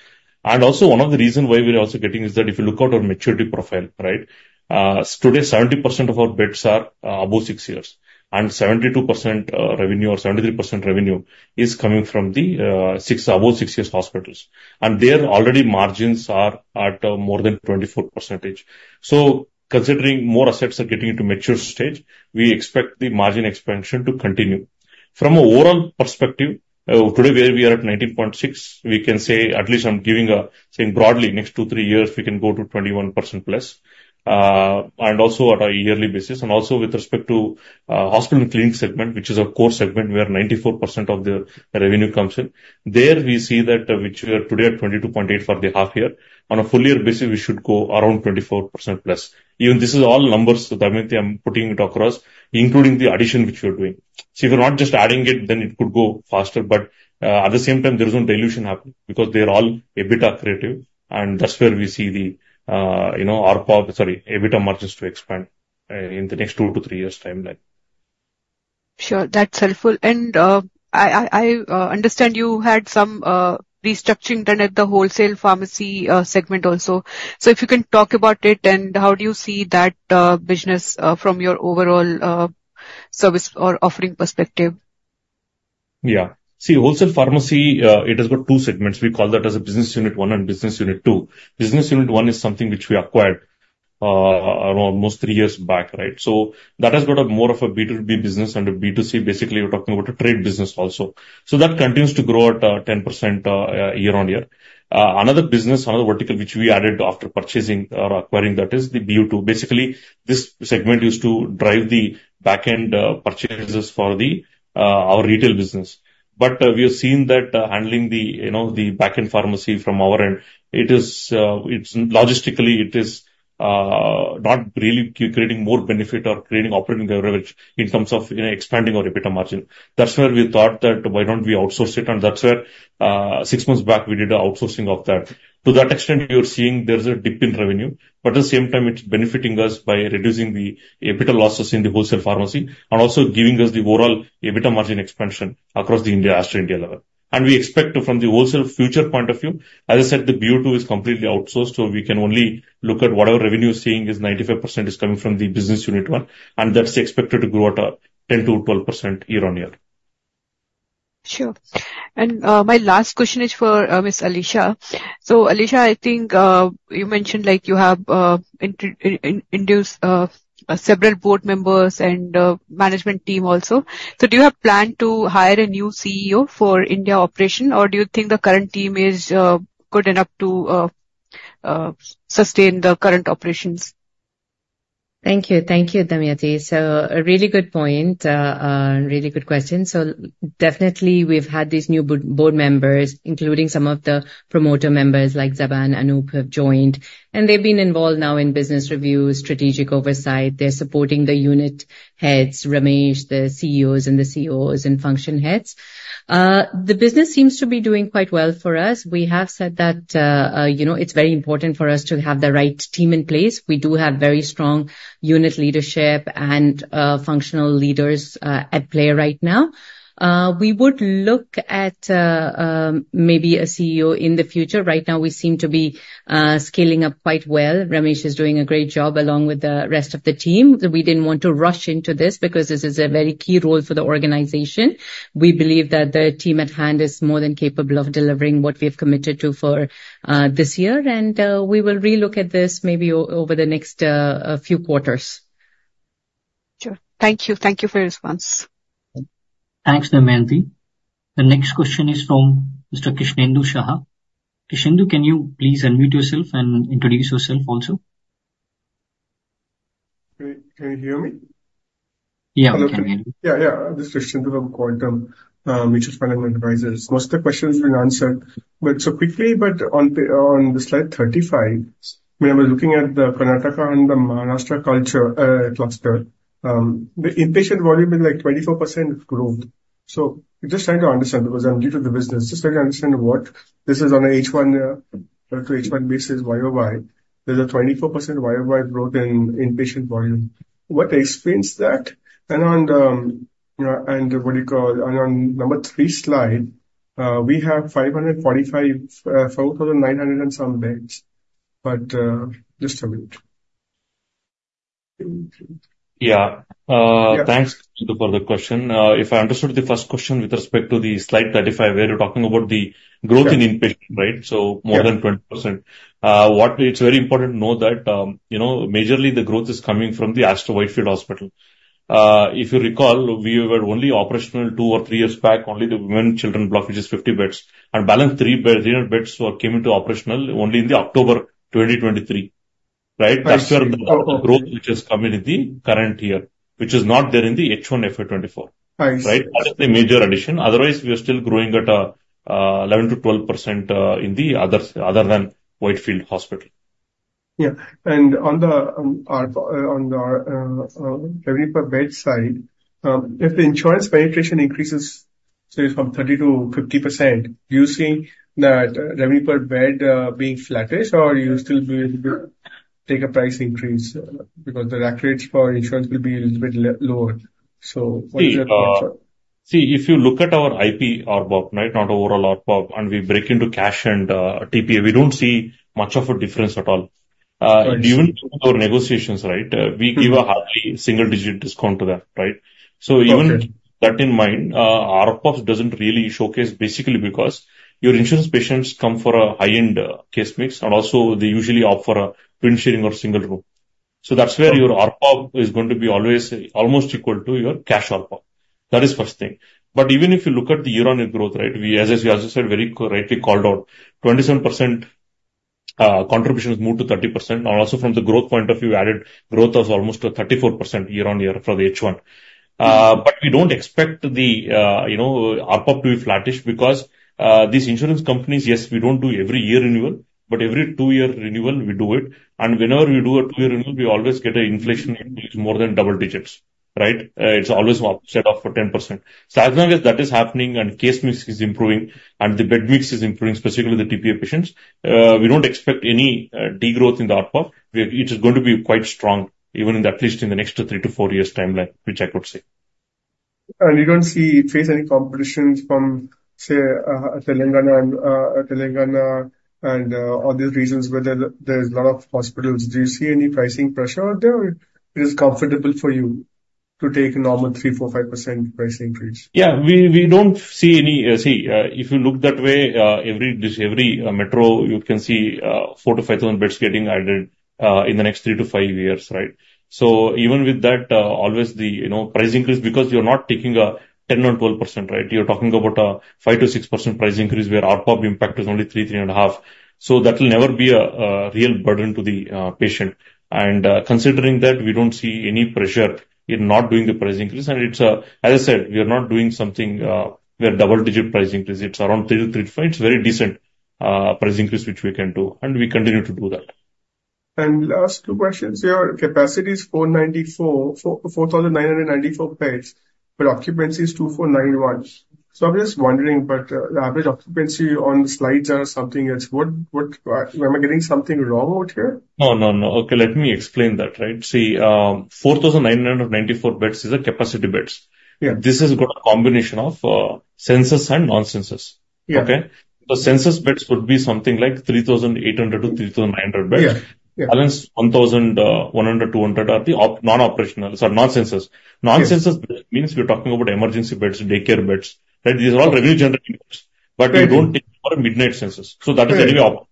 And also, one of the reasons why we're also getting is that if you look at our maturity profile, right, today, 70% of our beds are above six years, and 72%, revenue, or 73% revenue is coming from the, six, above six years hospitals. And there, already margins are at more than 24%. So considering more assets are getting into mature stage, we expect the margin expansion to continue. From an overall perspective, today, where we are at 19.6, we can say at least I'm saying broadly, next two, three years, we can go to 21% plus, and also at a yearly basis, and also with respect to, hospital and clinic segment, which is our core segment, where 94% of the revenue comes in. There, we see that, which we are today at 22.8 for the half year. On a full year basis, we should go around 24% plus. Even this is all numbers, Damayanti, I'm putting it across, including the addition which we are doing. So if you're not just adding it, then it could go faster, but, at the same time, there is no dilution happening because they're all EBITDA accretive, and that's where we see the, you know, our power... Sorry, EBITDA margins to expand in the next two to three years timeline. Sure, that's helpful. And, I understand you had some restructuring done at the wholesale pharmacy segment also. So if you can talk about it, and how do you see that business from your overall service or offering perspective? Yeah. See, wholesale pharmacy, it has got two segments. We call that as a business unit one and business unit two. Business unit one is something which we acquired, around almost three years back, right? So that has got a more of a B2B business and a B2C. Basically, we're talking about a trade business also. So that continues to grow at 10%, year on year. Another business, another vertical, which we added after purchasing or acquiring that is the BU two. Basically, this segment used to drive the back-end purchases for the our retail business. But we have seen that handling the, you know, the back-end pharmacy from our end, it is, it's logistically, it is, not really creating more benefit or creating operating leverage in terms of expanding our EBITDA margin. That's where we thought that why don't we outsource it? And that's where, six months back, we did the outsourcing of that. To that extent, you're seeing there's a dip in revenue, but at the same time, it's benefiting us by reducing the EBITDA losses in the wholesale pharmacy and also giving us the overall EBITDA margin expansion across the India, Asia India level. And we expect to, from the wholesale future point of view, as I said, the BU two is completely outsourced, so we can only look at whatever revenue is seeing is 95% is coming from the business unit one, and that's expected to grow at a 10%-12% year on year. Sure. And, my last question is for, Miss Alisha. So, Alisha, I think, you mentioned like you have, introduced, several board members and, management team also. So do you have plan to hire a new CEO for India operation, or do you think the current team is, good enough to, sustain the current operations? Thank you. Thank you, Damayanti. So a really good point, really good question. So definitely, we've had these new board members, including some of the promoter members, like Zeba and Anoop, have joined, and they've been involved now in business reviews, strategic oversight. They're supporting the unit heads, Ramesh, the CEOs and the COOs and function heads. The business seems to be doing quite well for us. We have said that, you know, it's very important for us to have the right team in place. We do have very strong unit leadership and functional leaders at play right now. We would look at maybe a CEO in the future. Right now, we seem to be scaling up quite well. Ramesh is doing a great job along with the rest of the team. We didn't want to rush into this because this is a very key role for the organization. We believe that the team at hand is more than capable of delivering what we have committed to for this year, and we will relook at this maybe over the next few quarters.... Sure. Thank you. Thank you for your response. Thanks, Nayanthi. The next question is from Mr. Krishnendu Saha. Krishnendu, can you please unmute yourself and introduce yourself also? Can you hear me? Yeah, we can hear you. Yeah, yeah. This is Krishnendu from Quantum Advisors. Most of the questions have been answered, but so quickly, but on the slide 35, when we're looking at the Karnataka and the Maharashtra cluster, the inpatient volume is like 24% growth. So just trying to understand, because I'm new to the business, just trying to understand what this is on a H1 to H1 basis, YOY. There's a 24% YOY growth in inpatient volume. What explains that? And on the number three slide, we have 545 4,900 and some beds. But just a minute. Yeah. Thanks, Krishnendu, for the question. If I understood the first question with respect to the slide thirty-five, where you're talking about the growth in inpatient, right? Yeah. More than 20%. It's very important to know that, you know, majorly the growth is coming from the Aster Whitefield Hospital. If you recall, we were only operational two or three years back, only the women children block, which is 50 beds, and balance three hundred beds came into operational only in October 2023, right? Right. That's where the growth which has come in the current year, which is not there in the H1 FY24. Thanks. Right? That is the major addition. Otherwise, we are still growing at a 11-12%, in the other than Whitefield Hospital. Yeah. And on the revenue per bed side, if the insurance penetration increases, say, from 30 to 50%, do you see that revenue per bed being flattish, or you still be able to take a price increase? Because the rack rates for insurance will be a little bit lower. So what is your thought? See, see, if you look at our IP ARPOB, right, not overall ARPOB, and we break into cash and TPA, we don't see much of a difference at all. Right. Even through our negotiations, right, we give a hardly single-digit discount to that, right? Okay. So even that in mind, ARPOB doesn't really showcase basically because your insurance patients come for a high-end case mix, and also they usually opt for a twin sharing or single room. So that's where your ARPOB is going to be always almost equal to your cash ARPOB. That is first thing. But even if you look at the year-on-year growth, right, we, as you also said, very correctly called out, 27% contribution has moved to 30%. And also from the growth point of view, added growth was almost a 34% year on year for the H1. But we don't expect the, you know, ARPOB to be flattish because, these insurance companies, yes, we don't do every year renewal, but every two year renewal, we do it. Whenever we do a two-year renewal, we always get an inflation increase more than double digits, right? It's always set up for 10%. So as long as that is happening and case mix is improving and the bed mix is improving, specifically the TPA patients, we don't expect any degrowth in the ARPOB. It is going to be quite strong, even at least in the next three to four years timeline, which I could say. You don't see or face any competition from, say, Telangana and other regions where there's a lot of hospitals. Do you see any pricing pressure out there, or it is comfortable for you to take a normal 3-5% price increase? Yeah, we don't see any. See, if you look that way, every metro, you can see 4,000-5,000 beds getting added in the next 3-5 years, right? So even with that, always the, you know, price increase, because you're not taking a 10 or 12%, right? You're talking about a 5%-6% price increase, where ARPOB impact is only 3-3.5. So that will never be a real burden to the patient. And considering that, we don't see any pressure in not doing the price increase. And it's, as I said, we are not doing something where double-digit price increase, it's around 3-3%. It's a very decent price increase, which we can do, and we continue to do that. Last two questions. Your capacity is 4,994 beds, but occupancy is 2,491. So I'm just wondering, but, the average occupancy on the slides are something else. What, what, am I getting something wrong out here? No, no, no. Okay, let me explain that, right. See, 4,994 beds is the capacity beds. Yeah. This has got a combination of, census and non-census. Yeah. Okay? The census beds would be something like 3,800-3,900 beds. Yeah. Yeah. Balance one thousand, one hundred, two hundred are the non-operational, sorry, non-census. Yeah. Non-census means we're talking about emergency beds, daycare beds, right? These are all revenue generating beds- Right. but we don't take a midnight census. Right. So that is anyway op.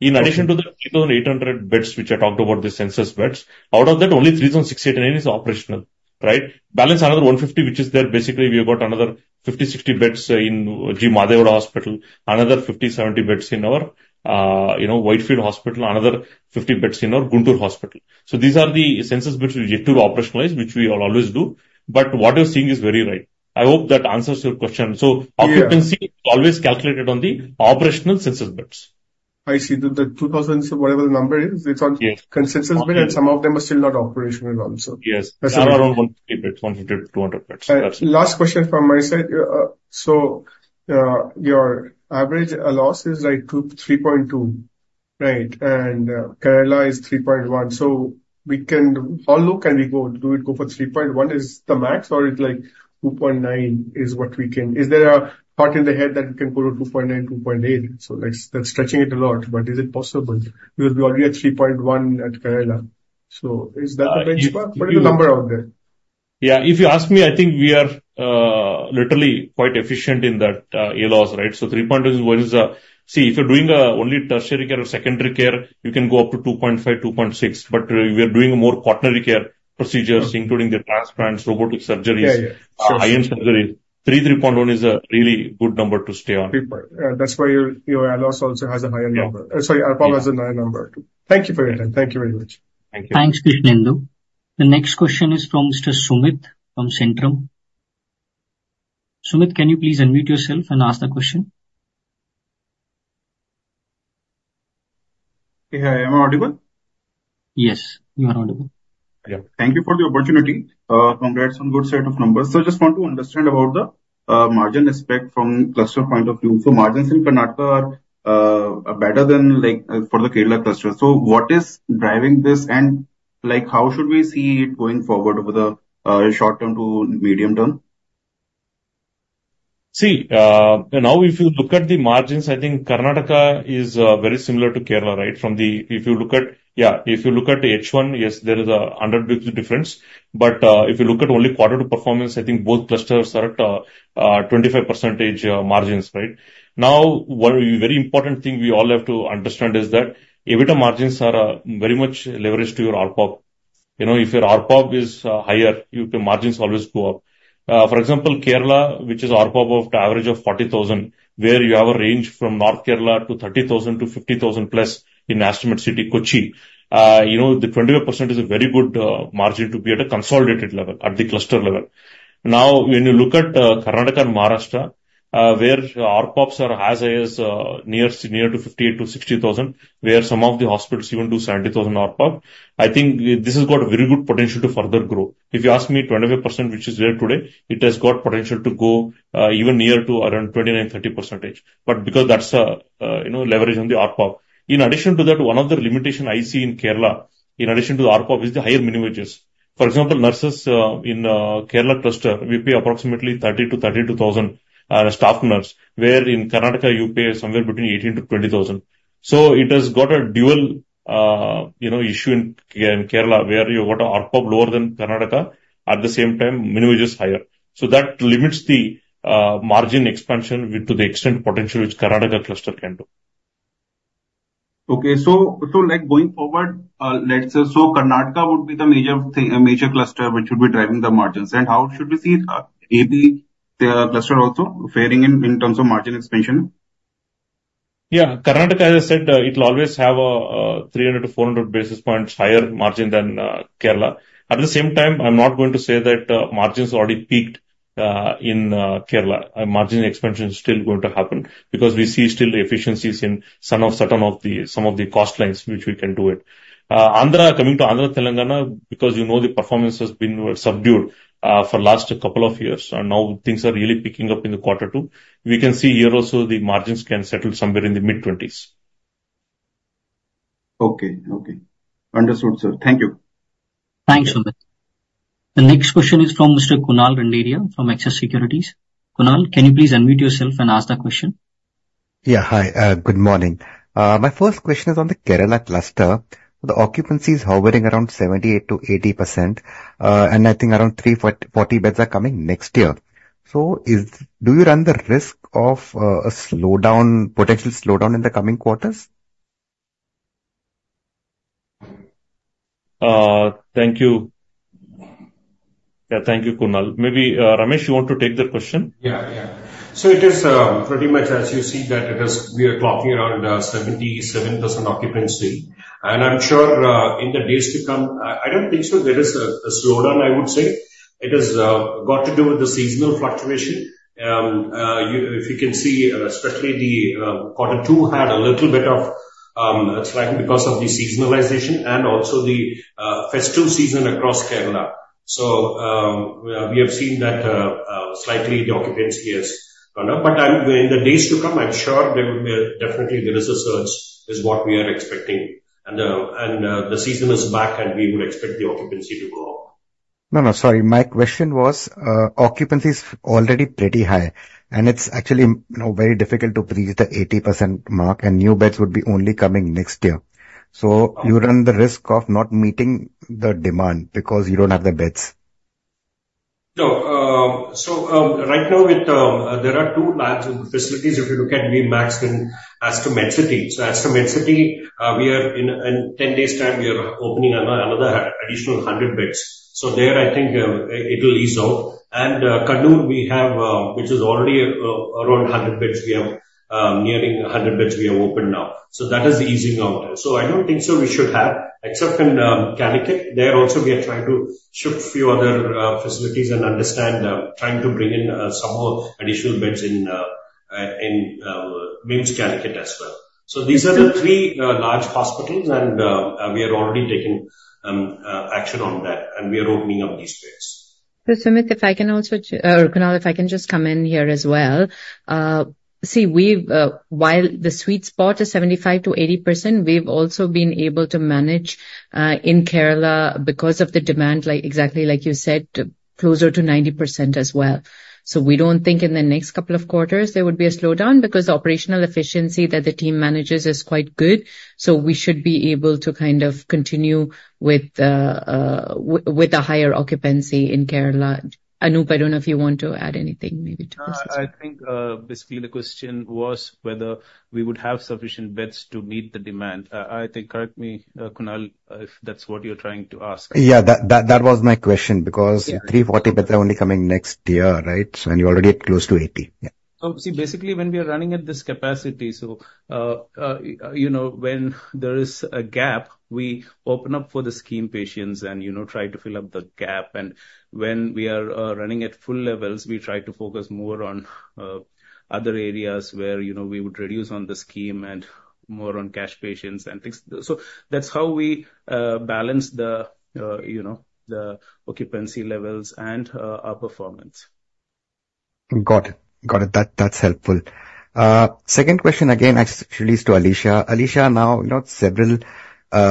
In addition to the three thousand eight hundred beds, which I talked about, the census beds, out of that, only three thousand six eighty-nine is operational, right? Balance another one fifty, which is there. Basically, we have got another fifty, sixty beds in G Madegowda Hospital, another fifty, seventy beds in our, you know, Whitefield Hospital, another fifty beds in our Guntur Hospital. So these are the census beds we've yet to operationalize, which we will always do. But what you're seeing is very right. I hope that answers your question. Yeah. Occupancy is always calculated on the operational census beds. I see. The two thousand, so whatever the number is, it's on- Yeah. census bed, and some of them are still not operational also. Yes. Around 100 beds, 100-200 beds. Last question from my side. So, your average LOS is like 2.3, right? And Kerala is 3.1. So we can... How low can we go? Do we go for 3.1 is the max, or is like 2.9 is what we can... Is there a path ahead that we can go to 2.9, 2.8? So that's stretching it a lot, but is it possible? Because we're already at 3.1 at Kerala. So is that the benchmark? What is the number out there? Yeah, if you ask me, I think we are literally quite efficient in that ALOS, right? So 3.0 is what it is. See, if you're doing only tertiary care or secondary care, you can go up to 2.5, 2.6. But we are doing more quaternary care procedures, including the transplants, robotic surgeries- Yeah, yeah. high-end surgery. 3, 3.1 is a really good number to stay on. Three point. That's why your ALOS also has a higher number. Yeah. Sorry, ARPOB has a higher number. Thank you for your time. Thank you very much. Thank you. Thanks, Krishnendu. The next question is from Mr. Sumit from Centrum. Sumit, can you please unmute yourself and ask the question? Yeah. Am I audible? Yes, you are audible. Yeah. Thank you for the opportunity. Congrats on good set of numbers. So I just want to understand about the margin aspect from cluster point of view. So margins in Karnataka are better than like for the Kerala cluster. So what is driving this, and like how should we see it going forward over the short term to medium term? See, now, if you look at the margins, I think Karnataka is very similar to Kerala, right? From the... If you look at, yeah, if you look at H1, yes, there is a hundred basis points difference. But, if you look at only Q2 performance, I think both clusters are at 25% margins, right? Now, one very important thing we all have to understand is that EBITDA margins are very much leveraged to your ARPOP. You know, if your ARPOP is higher, your margins always go up. For example, Kerala, which is ARPOP of average of 40,000, where you have a range from North Kerala to 30,000 to 50,000 plus in Aster Medcity, Kochi, you know, the 20% is a very good margin to be at a consolidated level, at the cluster level. Now, when you look at Karnataka and Maharashtra, where ARPOPs are as high as near to 58-60 thousand, where some of the hospitals even do 70 thousand ARPOP, I think this has got a very good potential to further grow. If you ask me, 25%, which is there today, it has got potential to go even near to around 29-30%. But because that's a you know, leverage on the ARPOP. In addition to that, one of the limitation I see in Kerala, in addition to ARPOP, is the higher minimum wages. For example, nurses in Kerala cluster, we pay approximately 30-32 thousand staff nurse, where in Karnataka you pay somewhere between 18-20 thousand. So it has got a dual, you know, issue in Kerala, where you've got ARPOP lower than Karnataka, at the same time, minimum wage is higher. So that limits the margin expansion with to the extent potential which Karnataka cluster can do. Okay. So, like, going forward, let's say, Karnataka would be the major thing, major cluster which would be driving the margins, and how should we see AP, the cluster also faring in terms of margin expansion? Yeah. Karnataka, as I said, it'll always have a 300-400 basis points higher margin than Kerala. At the same time, I'm not going to say that margins already peaked in Kerala. Margin expansion is still going to happen because we see still efficiencies in some of the cost lines which we can do it. Coming to Andhra, Telangana, because you know, the performance has been subdued for last couple of years, and now things are really picking up in the quarter two. We can see here also the margins can settle somewhere in the mid-twenties. Okay. Okay. Understood, sir. Thank you. Thanks, Sumit. The next question is from Mr. Kunal Randeria from Axis Securities. Kunal, can you please unmute yourself and ask the question? Yeah. Hi, good morning. My first question is on the Kerala cluster. The occupancy is hovering around 78%-80%, and I think around 340-400 beds are coming next year. So, do you run the risk of a slowdown, potential slowdown in the coming quarters? Thank you. Yeah, thank you, Kunal. Maybe, Ramesh, you want to take that question? Yeah. Yeah. So it is pretty much as you see that it is. We are clocking around 77% occupancy. And I'm sure in the days to come I don't think so there is a slowdown, I would say. It has got to do with the seasonal fluctuation. If you can see especially the quarter two had a little bit of slack because of the seasonality and also the festival season across Kerala. So we have seen that slightly the occupancy has gone up. But in the days to come I'm sure there will definitely be a surge, is what we are expecting. And the season is back, and we would expect the occupancy to go up. No, no, sorry. My question was, occupancy is already pretty high, and it's actually, you know, very difficult to breach the 80% mark, and new beds would be only coming next year. So you run the risk of not meeting the demand because you don't have the beds. No, so right now with, there are two large facilities, if you look at Aster CMI and Aster Medcity. So Aster Medcity, we are in ten days time, we are opening another additional hundred beds. So there, I think it will ease out. And Kannur, we have which is already around a hundred beds, we have nearing a hundred beds we have opened now. So that is easing out. So I don't think so we should have, except in Calicut. There also, we are trying to shift few other facilities and trying to bring in some more additional beds in Aster MIMS Calicut as well. So these are the three large hospitals, and we are already taking action on that, and we are opening up these beds. So Sumit, if I can also or Kunal, if I can just come in here as well. See, we've, while the sweet spot is 75%-80%, we've also been able to manage in Kerala because of the demand, like, exactly like you said, closer to 90% as well. So we don't think in the next couple of quarters there would be a slowdown, because operational efficiency that the team manages is quite good, so we should be able to kind of continue with a higher occupancy in Kerala. Anoop, I don't know if you want to add anything maybe to this. I think, basically the question was whether we would have sufficient beds to meet the demand. I think, correct me, Kunal, if that's what you're trying to ask. Yeah, that was my question, because- Yeah. 340 beds are only coming next year, right? And you're already at close to 80. Yeah. So see, basically, when we are running at this capacity, so, you know, when there is a gap, we open up for the scheme patients and, you know, try to fill up the gap. And when we are running at full levels, we try to focus more on other areas where, you know, we would reduce on the scheme and more on cash patients and things. So that's how we balance the, you know, the occupancy levels and our performance. Got it. Got it. That, that's helpful. Second question, again, actually is to Alisha. Alisha, now, you know, several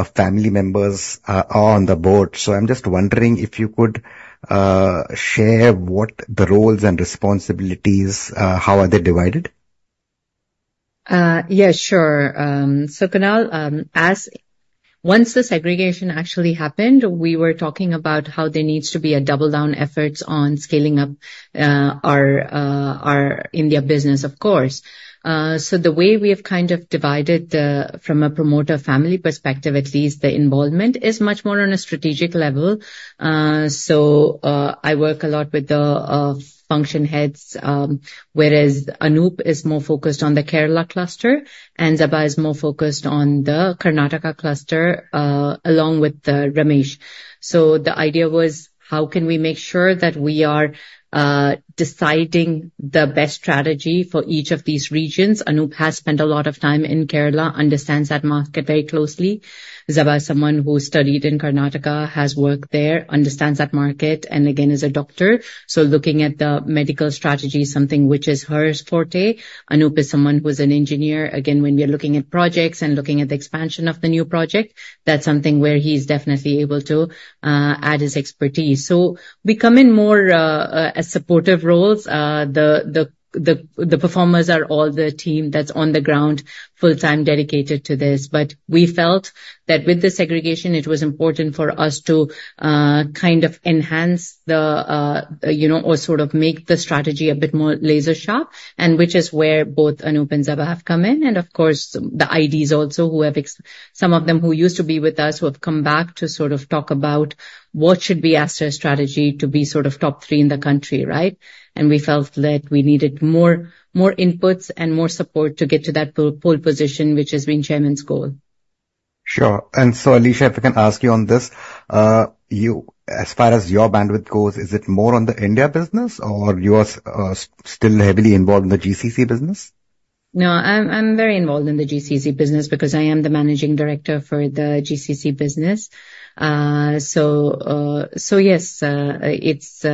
family members are on the board, so I'm just wondering if you could share what the roles and responsibilities, how are they divided? Yes, sure. So Kunal, once the segregation actually happened, we were talking about how there needs to be a double-down efforts on scaling up our India business, of course. So the way we have kind of divided the, from a promoter family perspective, at least the involvement, is much more on a strategic level. I work a lot with the function heads, whereas Anoop is more focused on the Kerala cluster and Zeba is more focused on the Karnataka cluster, along with Ramesh. So the idea was, how can we make sure that we are deciding the best strategy for each of these regions? Anoop has spent a lot of time in Kerala, understands that market very closely. Zeba, someone who studied in Karnataka, has worked there, understands that market, and again, is a doctor, so looking at the medical strategy, something which is her forte. Anoop is someone who's an engineer. Again, when we are looking at projects and looking at the expansion of the new project, that's something where he's definitely able to add his expertise. So we come in more as supportive roles. The performers are all the team that's on the ground full-time, dedicated to this. But we felt that with the segregation, it was important for us to kind of enhance the, you know, or sort of make the strategy a bit more laser sharp, and which is where both Anoop and Zeba have come in. And of course, the IDs also, who have some of them who used to be with us, who have come back to sort of talk about what should be Aster's strategy to be sort of top three in the country, right? And we felt that we needed more, more inputs and more support to get to that pole position, which has been chairman's goal. Sure. And so, Alisha, if I can ask you on this, you, as far as your bandwidth goes, is it more on the India business or you are, still heavily involved in the GCC business? No, I'm very involved in the GCC business because I am the managing director for the GCC business. So yes, it's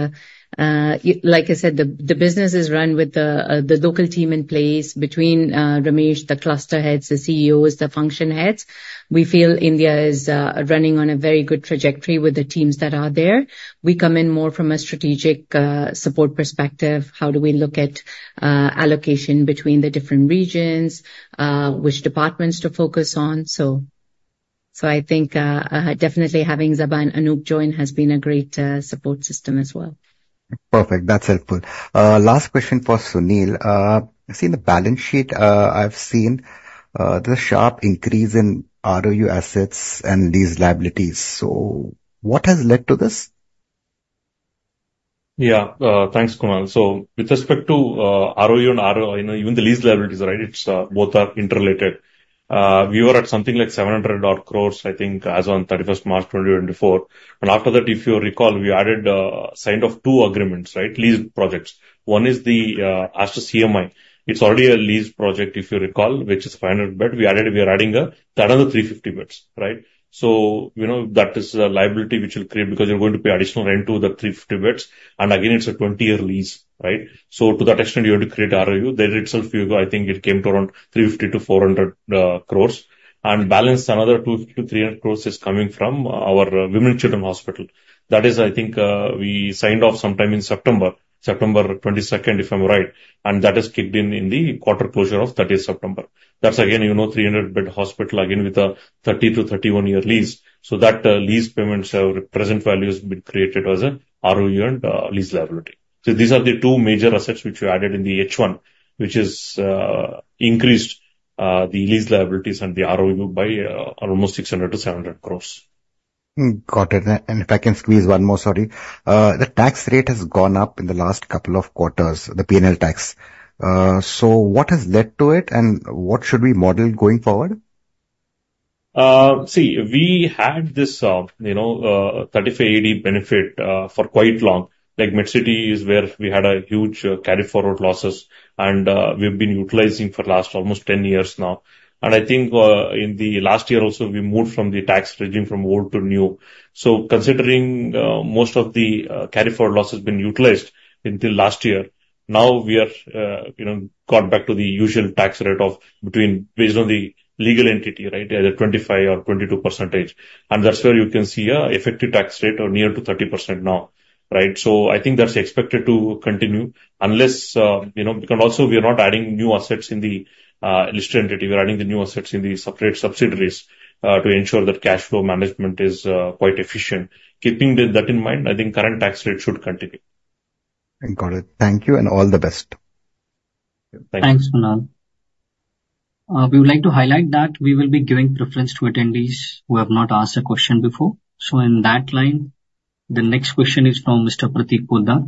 like I said, the business is run with the local team in place between Ramesh, the cluster heads, the CEOs, the function heads. We feel India is running on a very good trajectory with the teams that are there. We come in more from a strategic support perspective. How do we look at allocation between the different regions, which departments to focus on? So I think definitely having Zeba and Anoop join has been a great support system as well. Perfect. That's helpful. Last question for Sunil. I've seen the balance sheet. I've seen the sharp increase in ROU assets and these liabilities. So what has led to this? Yeah. Thanks, Kunal. So with respect to ROU and RO, you know, even the lease liabilities, right, it's both are interrelated. We were at something like 700 crores, I think, as on thirty-first March twenty twenty-four. And after that, if you recall, we added signed off two agreements, right? Lease projects. One is the Aster CMI. It's already a lease project, if you recall, which is 500-bed. We added-- we are adding another 350 beds, right? So, you know, that is a liability which will create, because you're going to pay additional rent to the 350 beds, and again, it's a 20-year lease, right? So to that extent, you have to create ROU. That itself, I think it came to around 350-400 crores. And balance, another 200-300 crore is coming from our women and children hospital. That is, I think, we signed off sometime in September, September twenty-second, if I'm right, and that is kicked in in the quarter closure of thirty September. That's again, you know, 300-bed hospital, again, with a 30- to 31-year lease. So that, lease payments have present values been created as an ROU and, lease liability. So these are the two major assets which we added in the H1, which has increased the lease liabilities and the ROU by almost 600-700 crore. Got it. And if I can squeeze one more, sorry. The tax rate has gone up in the last couple of quarters, the PNL tax. So what has led to it, and what should we model going forward? See, we had this, you know, 35AD benefit for quite long. Like, Medcity is where we had a huge carry forward losses, and we've been utilizing for last almost 10 years now and I think in the last year also, we moved from the tax regime from old to new, so considering most of the carry forward loss has been utilized until last year-... Now we are, you know, gone back to the usual tax rate of between, based on the legal entity, right, either 25% or 22%, and that's where you can see a effective tax rate of near to 30% now, right? So I think that's expected to continue unless, you know, because also we are not adding new assets in the, listed entity. We're adding the new assets in the separate subsidiaries, to ensure that cash flow management is, quite efficient. Keeping that in mind, I think current tax rate should continue. I got it. Thank you, and all the best. Thank you. Thanks, Kunal. We would like to highlight that we will be giving preference to attendees who have not asked a question before. So in that line, the next question is from Mr. Pratik Poddar.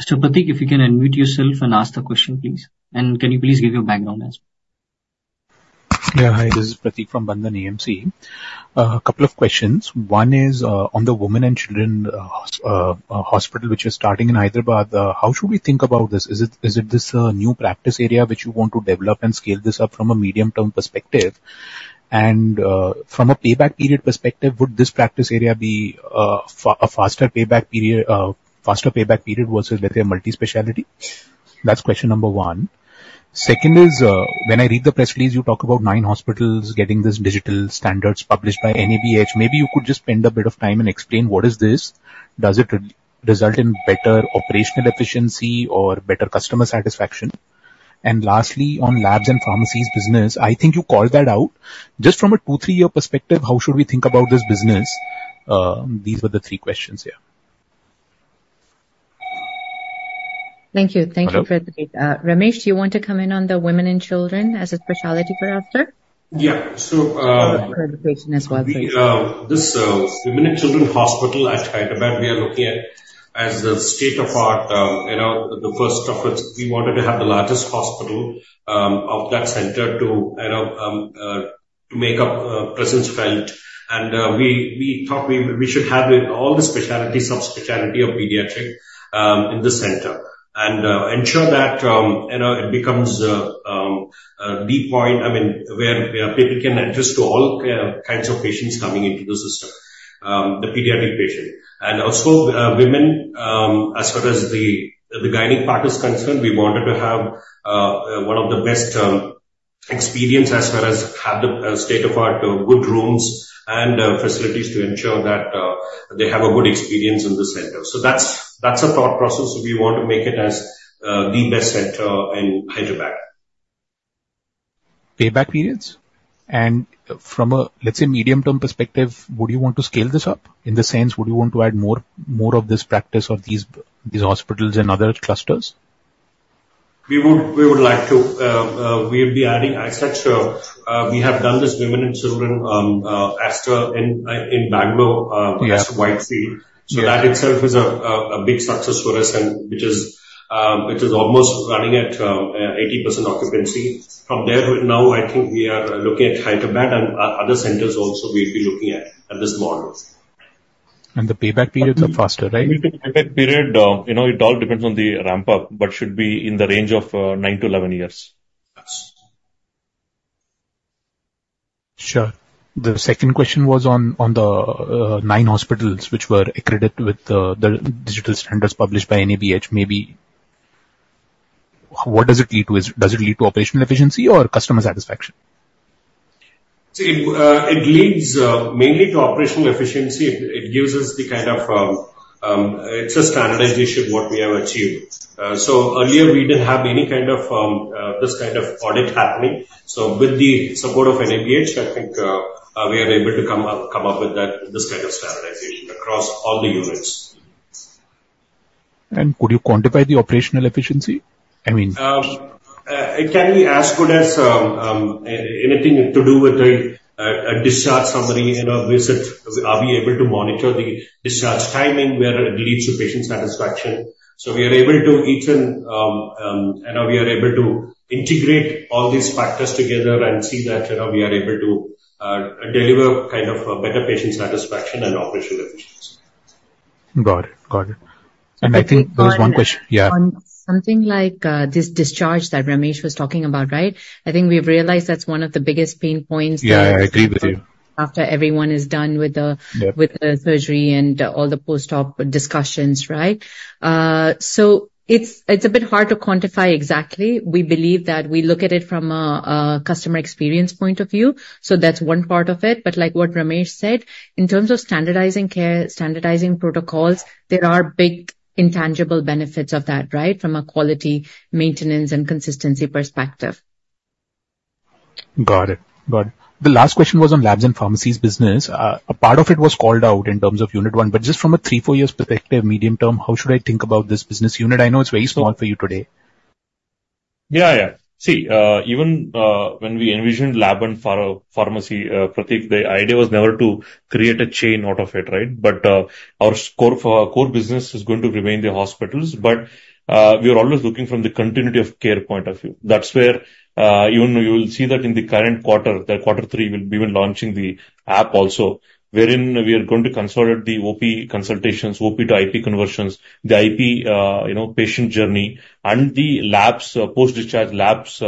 Mr. Pratik, if you can unmute yourself and ask the question, please. And can you please give your background as well? Yeah, hi. This is Pratik from Bandhan AMC. A couple of questions. One is, on the women and children hospital, which is starting in Hyderabad. How should we think about this? Is it, is it this new practice area which you want to develop and scale this up from a medium-term perspective? And, from a payback period perspective, would this practice area be a faster payback period versus, let's say, a multi-specialty? That's question number one. Second is, when I read the press release, you talk about nine hospitals getting these digital standards published by NABH. Maybe you could just spend a bit of time and explain what is this. Does it result in better operational efficiency or better customer satisfaction? And lastly, on labs and pharmacies business, I think you called that out. Just from a two, three-year perspective, how should we think about this business? These were the three questions, yeah. Thank you. Hello. Thank you, Pratik. Ramesh, do you want to come in on the women and children as a specialty for Aster? Yeah. So, For the question as well, please. This women and children hospital at Hyderabad, we are looking at as a state-of-the-art, you know, the first of its. We wanted to have the largest hospital of that center to, you know, make a presence felt. And we thought we should have it, all the specialty, subspecialty of pediatric in this center. And ensure that, you know, it becomes a B point, I mean, where people can adjust to all kinds of patients coming into the system, the pediatric patient. And also women, as far as the gynae part is concerned, we wanted to have one of the best experience as well as have the state-of-the-art good rooms and facilities to ensure that they have a good experience in this center. So that's a thought process, we want to make it as the best center in Hyderabad. Payback periods? And from a, let's say, medium-term perspective, would you want to scale this up? In the sense, would you want to add more of this practice of these hospitals in other clusters? We would like to. We'll be adding assets. So, we have done this Women and Children Aster in Bangalore. Yeah. Aster Whitefield. So that itself is a big success for us, and which is almost running at 80% occupancy. From there to now, I think we are looking at Hyderabad and other centers also we'll be looking at this model. The payback periods are faster, right? Payback period, you know, it all depends on the ramp-up, but should be in the range of nine to eleven years. Sure. The second question was on the nine hospitals which were accredited with the digital standards published by NABH. Maybe... What does it lead to? Does it lead to operational efficiency or customer satisfaction? See, it leads mainly to operational efficiency. It gives us the kind of, it's a standardization, what we have achieved. So earlier, we didn't have any kind of, this kind of audit happening. So with the support of NABH, I think, we are able to come up with that, this kind of standardization across all the units. Could you quantify the operational efficiency? I mean- It can be as good as anything to do with the discharge summary, you know, visit. Are we able to monitor the discharge timing, where it leads to patient satisfaction? So we are able to even. You know, we are able to integrate all these factors together and see that, you know, we are able to deliver kind of a better patient satisfaction and operational efficiency. Got it. Got it. And I think there was one question- On- Yeah. Something like, this discharge that Ramesh was talking about, right? I think we've realized that's one of the biggest pain points- Yeah, I agree with you. After everyone is done with the- Yeah... with the surgery and all the postop discussions, right? So it's a bit hard to quantify exactly. We believe that we look at it from a customer experience point of view, so that's one part of it. But like what Ramesh said, in terms of standardizing care, standardizing protocols, there are big intangible benefits of that, right? From a quality, maintenance, and consistency perspective. Got it. Got it. The last question was on labs and pharmacies business. A part of it was called out in terms of unit one, but just from a three, four years perspective, medium term, how should I think about this business unit? I know it's very small for you today. Yeah, yeah. See, even when we envisioned lab and pharmacy, Pratik, the idea was never to create a chain out of it, right? But, our score for our core business is going to remain the hospitals. But, we are always looking from the continuity of care point of view. That's where, even you will see that in the current quarter, the quarter three, we've been launching the app also, wherein we are going to consolidate the OP consultations, OP to IP conversions, the IP, you know, patient journey, and the labs, post-discharge labs,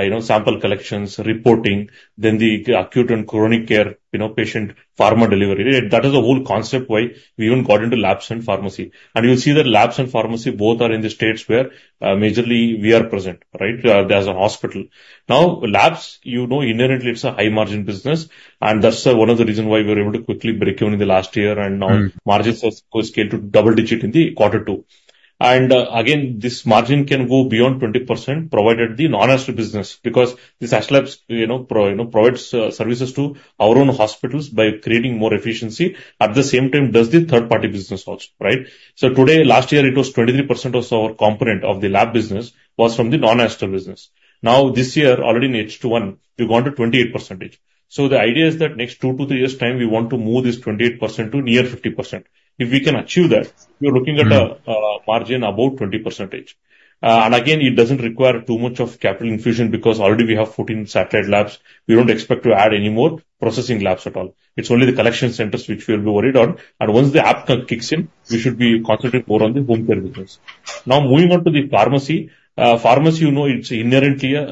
you know, sample collections, reporting, then the acute and chronic care, you know, patient pharma delivery. That is the whole concept why we even got into labs and pharmacy. And you'll see that labs and pharmacy both are in the states where majorly we are present, right? There's a hospital. Now, labs, you know, inherently it's a high-margin business, and that's one of the reasons why we were able to quickly break even in the last year. Mm. Now margins have scaled to double-digit in the quarter two. ...And again, this margin can go beyond 20%, provided the non-Aster business, because this Aster Labs, you know, pro, you know, provides services to our own hospitals by creating more efficiency, at the same time, does the third party business also, right? So today, last year it was 23% of our component of the lab business was from the non-Aster business. Now, this year, already in H1, we've gone to 28%. So the idea is that next 2 to 3 years' time, we want to move this 28% to near 50%. If we can achieve that, we are looking at a margin about 20%. And again, it doesn't require too much of capital infusion because already we have 14 satellite labs. We don't expect to add any more processing labs at all. It's only the collection centers which we will be worried on, and once the app kicks in, we should be concentrating more on the home care business. Now, moving on to the pharmacy. Pharmacy, you know, it's inherently a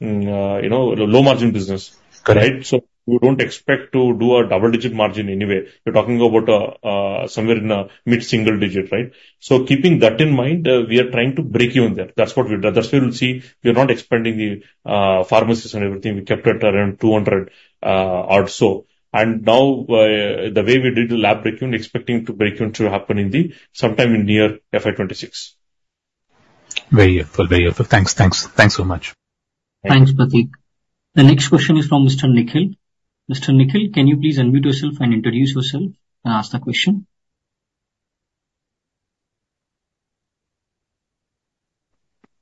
low margin business. Correct. Right? So we don't expect to do a double-digit margin anyway. We're talking about, somewhere in the mid-single digit, right? So keeping that in mind, we are trying to break even there. That's what we've done. That's why you will see we are not expanding the, pharmacies and everything. We kept it around 200, or so. And now, the way we did the lab break even, expecting to break even to happen sometime in near FY 2026. Very helpful. Very helpful. Thanks, thanks. Thanks so much. Thanks, Pratik. The next question is from Mr. Nikhil. Mr. Nikhil, can you please unmute yourself and introduce yourself and ask the question?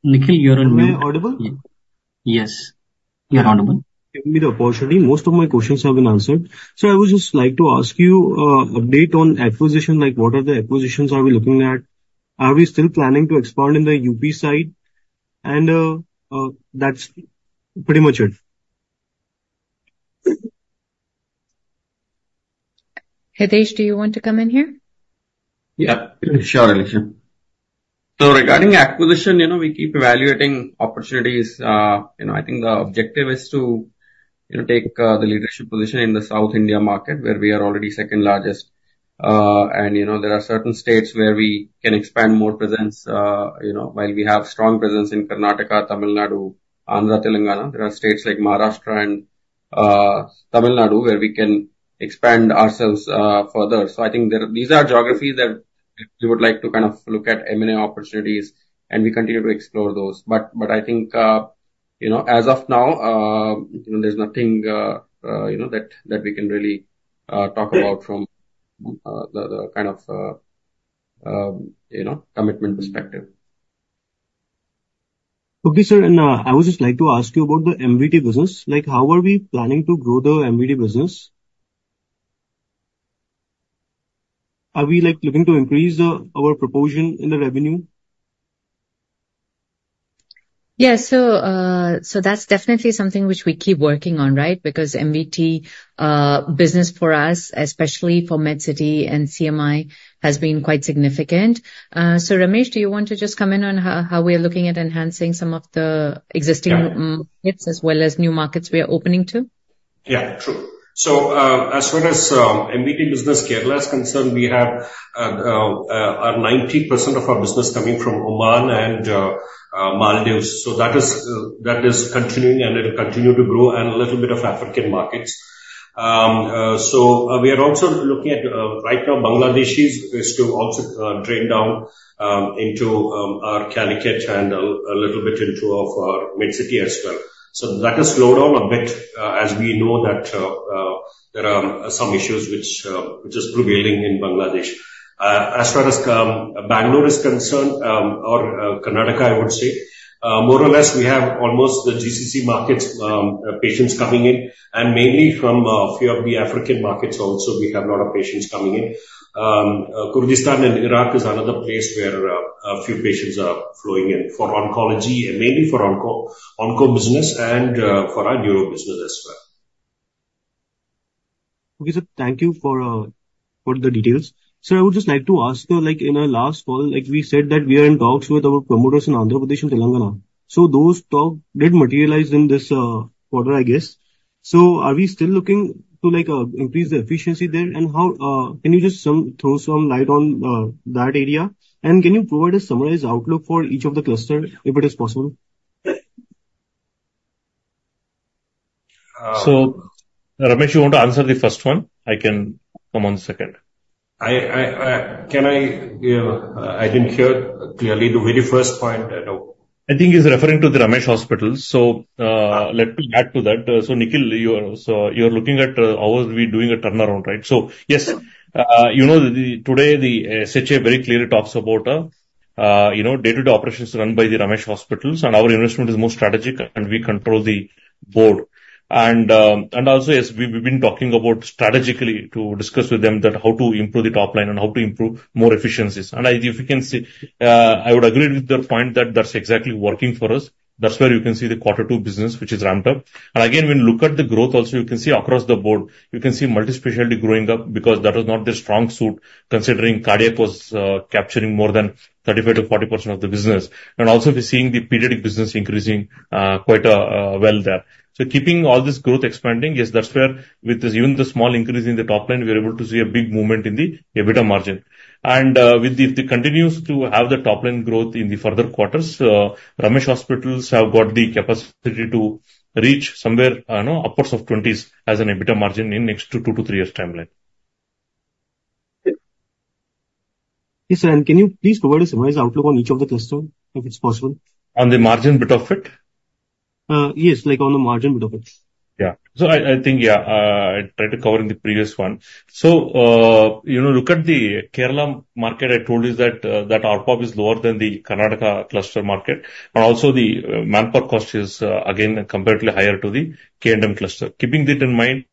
Nikhil, you are unmuted. Am I audible? Yes, you are audible. Thank you for the opportunity. Most of my questions have been answered. So I would just like to ask you, update on acquisition, like, what are the acquisitions are we looking at? Are we still planning to expand in the UP side? And, that's pretty much it. Hitesh, do you want to come in here? Yeah, sure, Alisha. So regarding acquisition, you know, we keep evaluating opportunities. You know, I think the objective is to, you know, take the leadership position in the South India market, where we are already second largest. And, you know, there are certain states where we can expand more presence, you know, while we have strong presence in Karnataka, Tamil Nadu, Andhra, Telangana, there are states like Maharashtra and, Tamil Nadu, where we can expand ourselves, further. So I think these are geographies that we would like to kind of look at M&A opportunities, and we continue to explore those. But I think, you know, as of now, you know, there's nothing, you know, that we can really, talk about from, the kind of, you know, commitment perspective. Okay, sir, and I would just like to ask you about the MVT business. Like, how are we planning to grow the MVT business? Are we, like, looking to increase our proportion in the revenue? Yeah. So, so that's definitely something which we keep working on, right? Because MVT business for us, especially for Medcity and CMI, has been quite significant. So, Ramesh, do you want to just come in on how we are looking at enhancing some of the existing- Yeah. markets as well as new markets we are opening to? Yeah, true. So, as far as MVT business, Kerala, is concerned, we have 90% of our business coming from Oman and Maldives. So that is continuing, and it will continue to grow, and a little bit of African markets. So we are also looking at, right now, Bangladesh is to also drain down into our Calicut and a little bit into our MedCity as well. So that has slowed down a bit, as we know that there are some issues which is prevailing in Bangladesh. As far as Bangalore is concerned, or Karnataka, I would say more or less we have almost the GCC markets patients coming in, and mainly from few of the African markets also, we have a lot of patients coming in. Kurdistan and Iraq is another place where a few patients are flowing in for oncology and mainly for onco business and for our neuro business as well. Okay, sir. Thank you for the details. Sir, I would just like to ask you, like, in our last call, like we said, that we are in talks with our promoters in Andhra Pradesh and Telangana. So those talks did materialize in this quarter, I guess. So are we still looking to, like, increase the efficiency there? And how can you just throw some light on that area? And can you provide a summarized outlook for each of the clusters, if it is possible? So, Ramesh, you want to answer the first one? I can come on the second. Can I, I didn't hear clearly the very first point at all. I think he's referring to the Ramesh Hospitals. So, let me add to that. So, Nikhil, you are, so you're looking at how are we doing a turnaround, right? So, yes, you know, today, the SHA very clearly talks about you know, day-to-day operations run by the Ramesh Hospitals, and our investment is more strategic, and we control the board. And, and also, yes, we, we've been talking about strategically to discuss with them that how to improve the top line and how to improve more efficiencies. And if you can see, I would agree with your point that that's exactly working for us. That's where you can see the quarter two business, which is ramped up. Again, when you look at the growth also, you can see across the board. You can see multi-specialty growing up, because that was not their strong suit, considering cardiac was capturing more than 35% to 40% of the business. Also, we're seeing the pediatric business increasing quite well there. So keeping all this growth expanding, yes, that's where with this, even the small increase in the top line, we are able to see a big movement in the EBITDA margin. And, if they continue to have the top line growth in the further quarters, Ramesh Hospitals have got the capacity to reach somewhere, you know, upwards of twenties as an EBITDA margin in next 2 to 3 years timeline.... Yes, sir, and can you please provide a summarized outlook on each of the clusters, if it's possible? On the margin bit of it? Yes, like, on the margin bit of it. Yeah. So I, I think, yeah, I tried to cover in the previous one. So, you know, look at the Kerala market. I told you that, that ARPOP is lower than the Karnataka cluster market, and also the manpower cost is, again, comparatively higher to the K&M cluster. Keeping that in mind,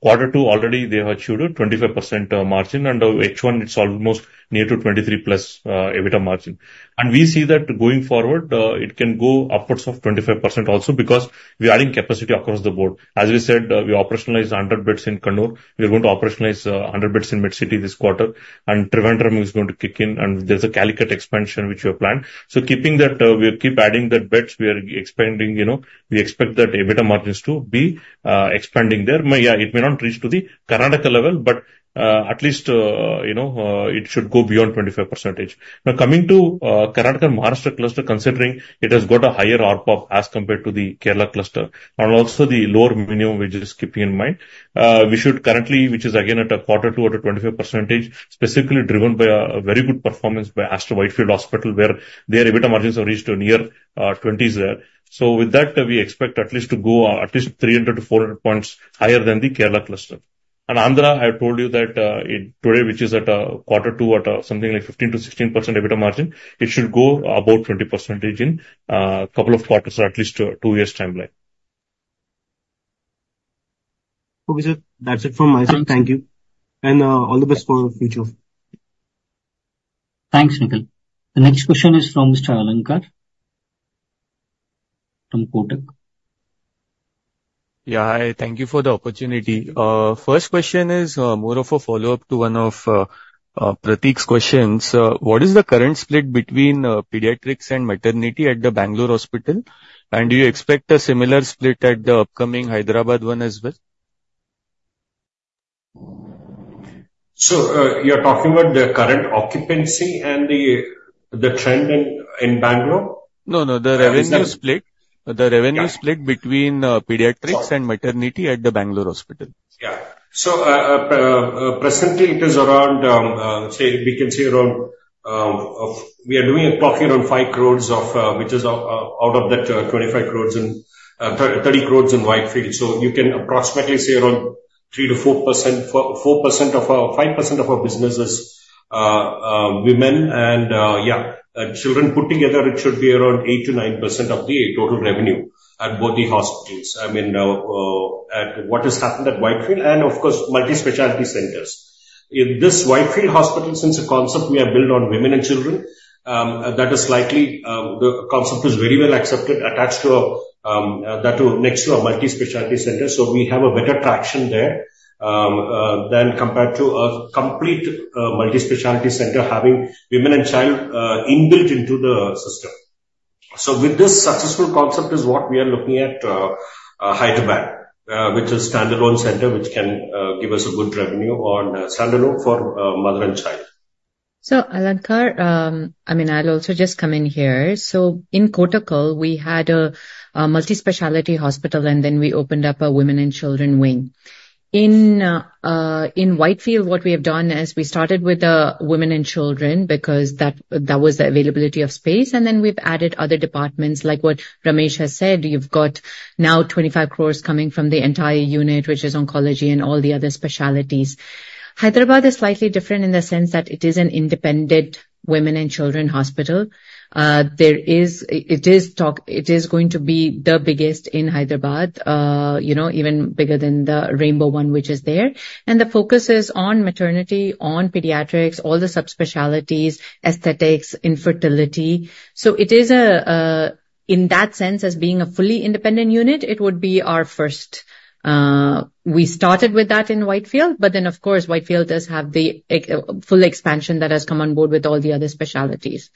quarter two already they have achieved a 25% margin, and H1, it's almost near to 23% plus EBITDA margin. And we see that going forward, it can go upwards of 25% also because we're adding capacity across the board. As we said, we operationalized a hundred beds in Kannur. We are going to operationalize, a hundred beds in Medicity this quarter, and Trivandrum is going to kick in, and there's a Calicut expansion which we have planned. So keeping that, we'll keep adding the beds, we are expanding, you know, we expect that EBITDA margins to be expanding there. Yeah, it may not reach to the Karnataka level, but at least, you know, it should go beyond 25%. Now, coming to Karnataka and Maharashtra cluster, considering it has got a higher ARPOP as compared to the Kerala cluster and also the lower minimum wages keeping in mind, we should currently, which is again at a quarter two at a 25%, specifically driven by a very good performance by Aster Whitefield Hospital, where their EBITDA margins have reached to near twenties there. So with that, we expect at least to go at least three hundred to four hundred points higher than the Kerala cluster. Andhra, I have told you that it today, which is at quarter two at something like 15-16% EBITDA margin. It should go about 20% in couple of quarters or at least two years timeline. Okay, sir. That's it from my side. Thank you. And, all the best for your future. Thanks, Nikhil. The next question is from Mr. Alankar from Kotak. Yeah, hi. Thank you for the opportunity. First question is, more of a follow-up to one of Pratik's questions. What is the current split between pediatrics and maternity at the Bangalore hospital? And do you expect a similar split at the upcoming Hyderabad one as well? So, you're talking about the current occupancy and the trend in Bangalore? No, no, the revenue split. Yeah. The revenue split between pediatrics- Sorry. and maternity at the Bangalore hospital. Yeah. So, presently it is around, say, we can say around, of. We are doing approximately around five crores of, which is out, out of that, twenty-five crores in, thirty crores in Whitefield. So you can approximately say around 3%-4%, 4% of our, five percent of our business is, women and, yeah, and children put together, it should be around 8%-9% of the total revenue at both the hospitals. I mean, at what has happened at Whitefield and, of course, multi-specialty centers. In this Whitefield hospital, since the concept we have built on women and children, that is slightly, the concept is very well accepted, attached to a, that to next to a multi-specialty center. We have a better traction there than compared to a complete multi-specialty center having women and children inbuilt into the system. With this successful concept is what we are looking at, Hyderabad, which is standalone center, which can give us a good revenue on standalone for mother and child. So, Alankar, I mean, I'll also just come in here. So in Kottakkal, we had a multi-specialty hospital, and then we opened up a women and children wing. In Whitefield, what we have done is we started with a women and children because that was the availability of space, and then we've added other departments, like what Ramesh has said. You've got now 25 crores coming from the entire unit, which is oncology and all the other specialties. Hyderabad is slightly different in the sense that it is an independent women and children hospital. It is going to be the biggest in Hyderabad, you know, even bigger than the Rainbow one, which is there. And the focus is on maternity, on pediatrics, all the subspecialties, aesthetics, infertility. So it is, in that sense, as being a fully independent unit, it would be our first. We started with that in Whitefield, but then, of course, Whitefield does have the full expansion that has come on board with all the other specialties.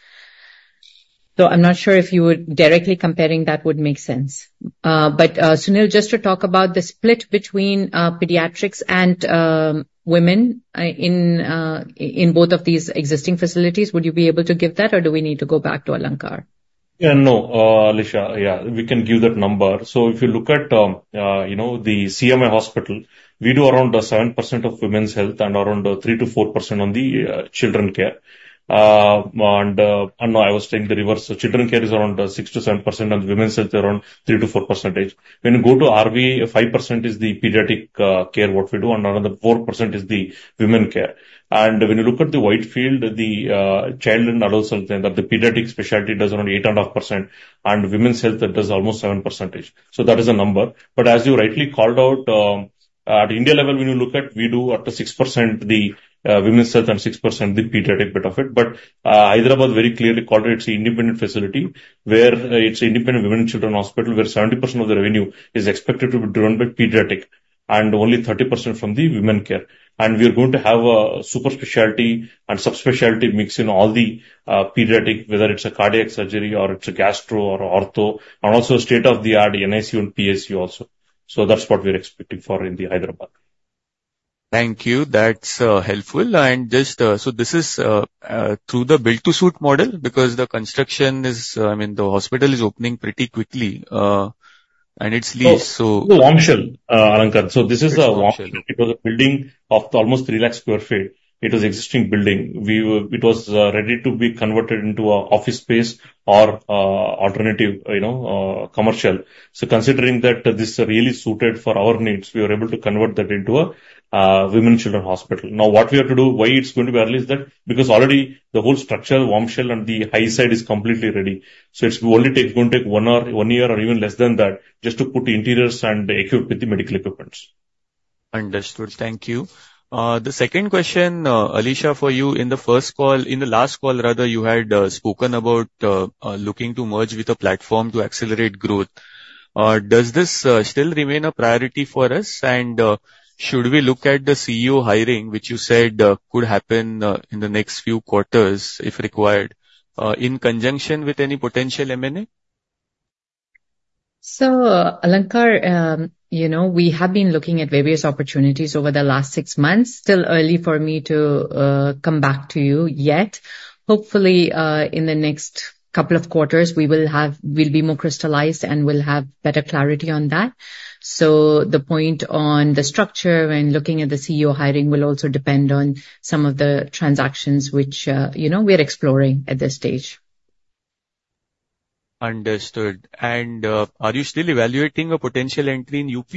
So I'm not sure if you were directly comparing that would make sense. But, Sunil, just to talk about the split between pediatrics and women in both of these existing facilities, would you be able to give that, or do we need to go back to Alankar? Yeah, no, Alisha. Yeah, we can give that number. So if you look at, you know, the CMI hospital, we do around 7% of women's health and around 3-4% on the, children care. And, and I was taking the reverse. So children care is around 6-7%, and women's health around 3-4%. When you go to RV, 5% is the pediatric, care, what we do, and another 4% is the women care. And when you look at the Whitefield, the, child and adult health, and that the pediatric specialty does around 8.5%, and women's health, it does almost 7%. So that is the number. But as you rightly called out, at India level, when you look at, we do up to 6% the women's health and 6% the pediatric bit of it. But, Hyderabad very clearly called it, it's an independent facility, where it's independent women and children hospital, where 70% of the revenue is expected to be driven by pediatric and only 30% from the women care. And we are going to have a super specialty and subspecialty mix in all the pediatric, whether it's a cardiac surgery or it's a gastro or ortho, and also state-of-the-art NICU and PICU also. So that's what we're expecting for in the Hyderabad. Thank you. That's helpful. And just so this is through the build-to-suit model? Because the construction is, I mean, the hospital is opening pretty quickly. And it's leased, so- The warm shell, Alankar. This is a warm shell. It was a building of almost three lakh sq ft. It was existing building. It was ready to be converted into an office space or alternative, you know, commercial. Considering that this really suited for our needs, we were able to convert that into a women and children hospital. Now, what we have to do, why it's going to be early, is that because already the whole structure, warm shell and the high side is completely ready. It's only going to take one or one year or even less than that, just to put interiors and equip with the medical equipments. Understood. Thank you. The second question, Alisha, for you, in the first call, in the last call, rather, you had spoken about looking to merge with a platform to accelerate growth. Does this still remain a priority for us? And should we look at the CEO hiring, which you said could happen in the next few quarters, if required, in conjunction with any potential M&A? So, Alankar, you know, we have been looking at various opportunities over the last six months. Still early for me to come back to you yet. Hopefully, in the next couple of quarters, we will have, we'll be more crystallized, and we'll have better clarity on that. So the point on the structure when looking at the CEO hiring will also depend on some of the transactions which, you know, we are exploring at this stage. Understood, and are you still evaluating a potential entry in UP?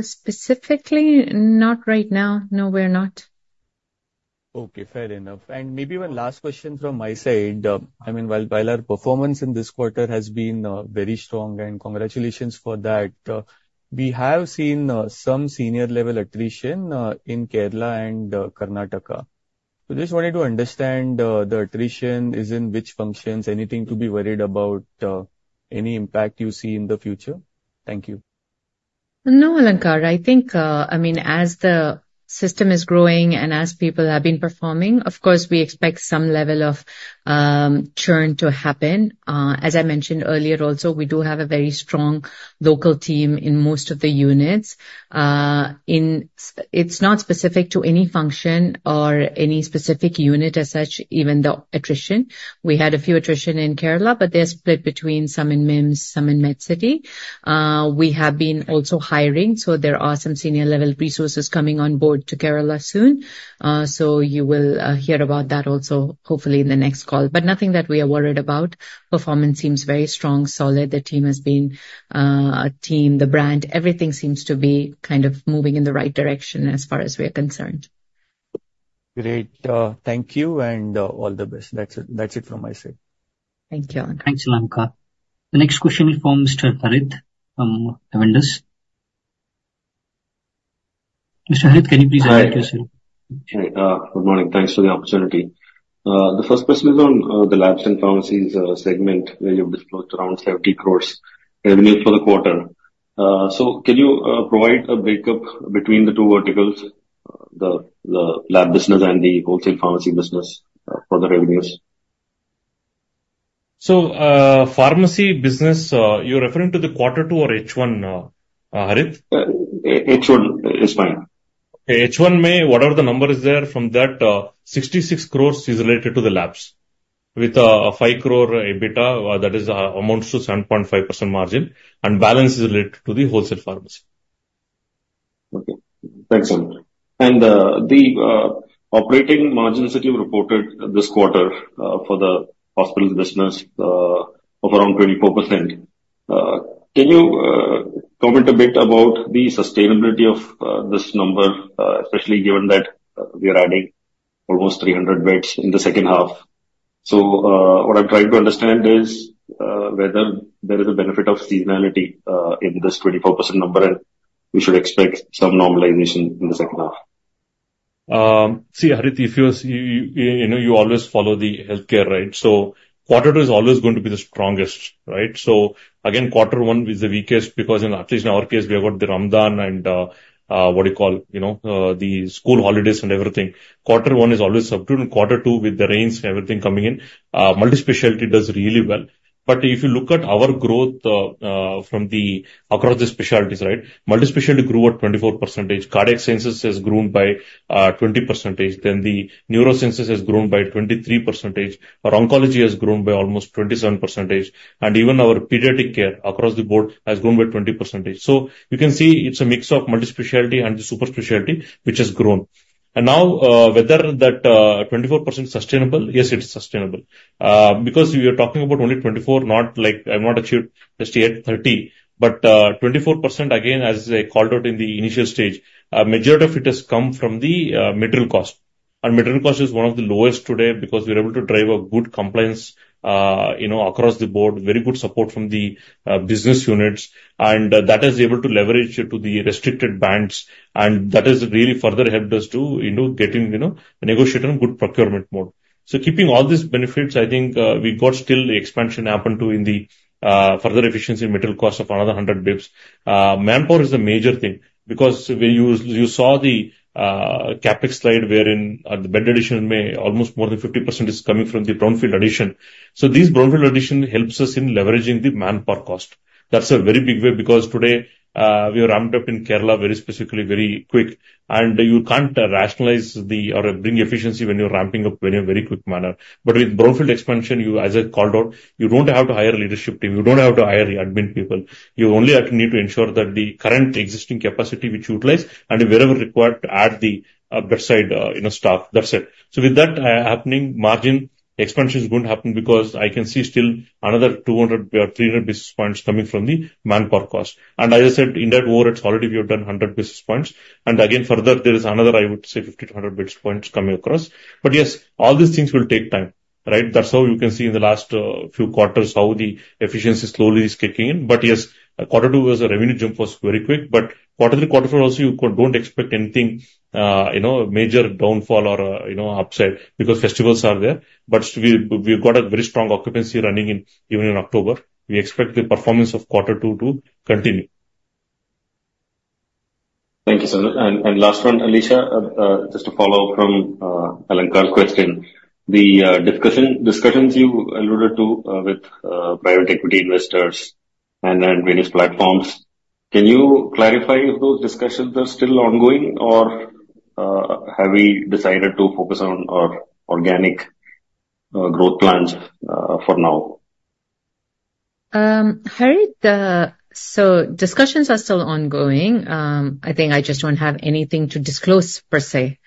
Specifically, not right now. No, we're not. Okay, fair enough. And maybe one last question from my side. I mean, while our performance in this quarter has been very strong, and congratulations for that, we have seen some senior level attrition in Kerala and Karnataka. So just wanted to understand the attrition is in which functions, anything to be worried about, any impact you see in the future? Thank you. No, Alankar, I think, I mean, as the system is growing and as people have been performing, of course, we expect some level of churn to happen. As I mentioned earlier also, we do have a very strong local team in most of the units. It's not specific to any function or any specific unit as such, even the attrition. We had a few attrition in Kerala, but they're split between some in MIMS, some in Medcity. We have been also hiring, so there are some senior level resources coming on board to Kerala soon. So you will hear about that also, hopefully in the next call, but nothing that we are worried about. Performance seems very strong, solid. The team has been, our team, the brand, everything seems to be kind of moving in the right direction as far as we are concerned. Great. Thank you, and all the best. That's it, that's it from my side. Thank you. Thanks, Alankar. The next question is from Mr. Harith from Avendus. Mr. Harith, can you please introduce yourself? Hi. Good morning. Thanks for the opportunity. The first question is on the labs and pharmacies segment, where you've disclosed around 70 crore revenue for the quarter. So can you provide a breakup between the two verticals, the lab business and the wholesale pharmacy business, for the revenues? Pharmacy business, you're referring to the Quarter Two or H1, Harit? H1 is fine. H1, maybe whatever the number is there, from that, 66 crores is related to the labs, with 5 crore EBITDA, that is, amounts to 7.5% margin, and balance is related to the wholesale pharmacy. Okay, thanks a lot. And the operating margins that you reported this quarter for the hospital business of around 24% can you comment a bit about the sustainability of this number especially given that we are adding almost 300 beds in the second half? So what I'm trying to understand is whether there is a benefit of seasonality in this 24% number and we should expect some normalization in the second half. See, Harit, if you know, you always follow the healthcare, right? So Quarter Two is always going to be the strongest, right? So again, Quarter One is the weakest, because in at least in our case, we have got the Ramadan and, what you call, you know, the school holidays and everything. Quarter One is always subdued, and Quarter Two, with the rains and everything coming in, multi-specialty does really well. But if you look at our growth, from the across the specialties, right, multi-specialty grew at 24%. Cardiac sciences has grown by 20%. Then the neurosciences has grown by 23%. Our oncology has grown by almost 27%. And even our pediatric care across the board has grown by 20%. So you can see it's a mix of multi-specialty and the super specialty, which has grown. And now, whether that 24% is sustainable? Yes, it is sustainable. Because we are talking about only 24, not like I want to achieve just yet 30, but 24%, again, as I called out in the initial stage, a majority of it has come from the material cost. And material cost is one of the lowest today because we're able to drive a good compliance, you know, across the board, very good support from the business units, and that is able to leverage it to the restricted bands, and that has really further helped us to, you know, getting, you know, negotiating good procurement more. So keeping all these benefits, I think, we got still expansion happen to in the further efficiency material cost of another 100 basis points. Manpower is a major thing because when you, you saw the CapEx slide, wherein on the bed addition, maybe almost more than 50% is coming from the brownfield addition. So these brownfield addition helps us in leveraging the manpower cost. That's a very big way, because today, we are ramped up in Kerala, very specifically, very quick, and you can't rationalize the or bring efficiency when you're ramping up in a very quick manner. But with brownfield expansion, you as I called out, you don't have to hire a leadership team, you don't have to hire the admin people. You only have to need to ensure that the current existing capacity which utilize and wherever required, add the, bedside, you know, staff. That's it. So with that, happening, margin expansion is going to happen because I can see still another 200 or 300 basis points coming from the manpower cost. And as I said, in that over it, already we have done 100 basis points. And again, further, there is another, I would say, 50 to 100 basis points coming across. But yes, all these things will take time, right? That's how you can see in the last, few quarters how the efficiency slowly is kicking in. But yes, quarter two as a revenue jump was very quick, but quarterly, quarter four also, you don't expect anything, you know, major downfall or, you know, upside because festivals are there. But we've got a very strong occupancy running, even in October. We expect the performance of quarter two to continue. Thank you, Sunil. And last one, Alisha, just to follow up from Alankar Garude's question. The discussions you alluded to with private equity investors and then various platforms. Can you clarify if those discussions are still ongoing, or have we decided to focus on our organic growth plans for now? Harit, discussions are still ongoing. I think I just don't have anything to disclose per se.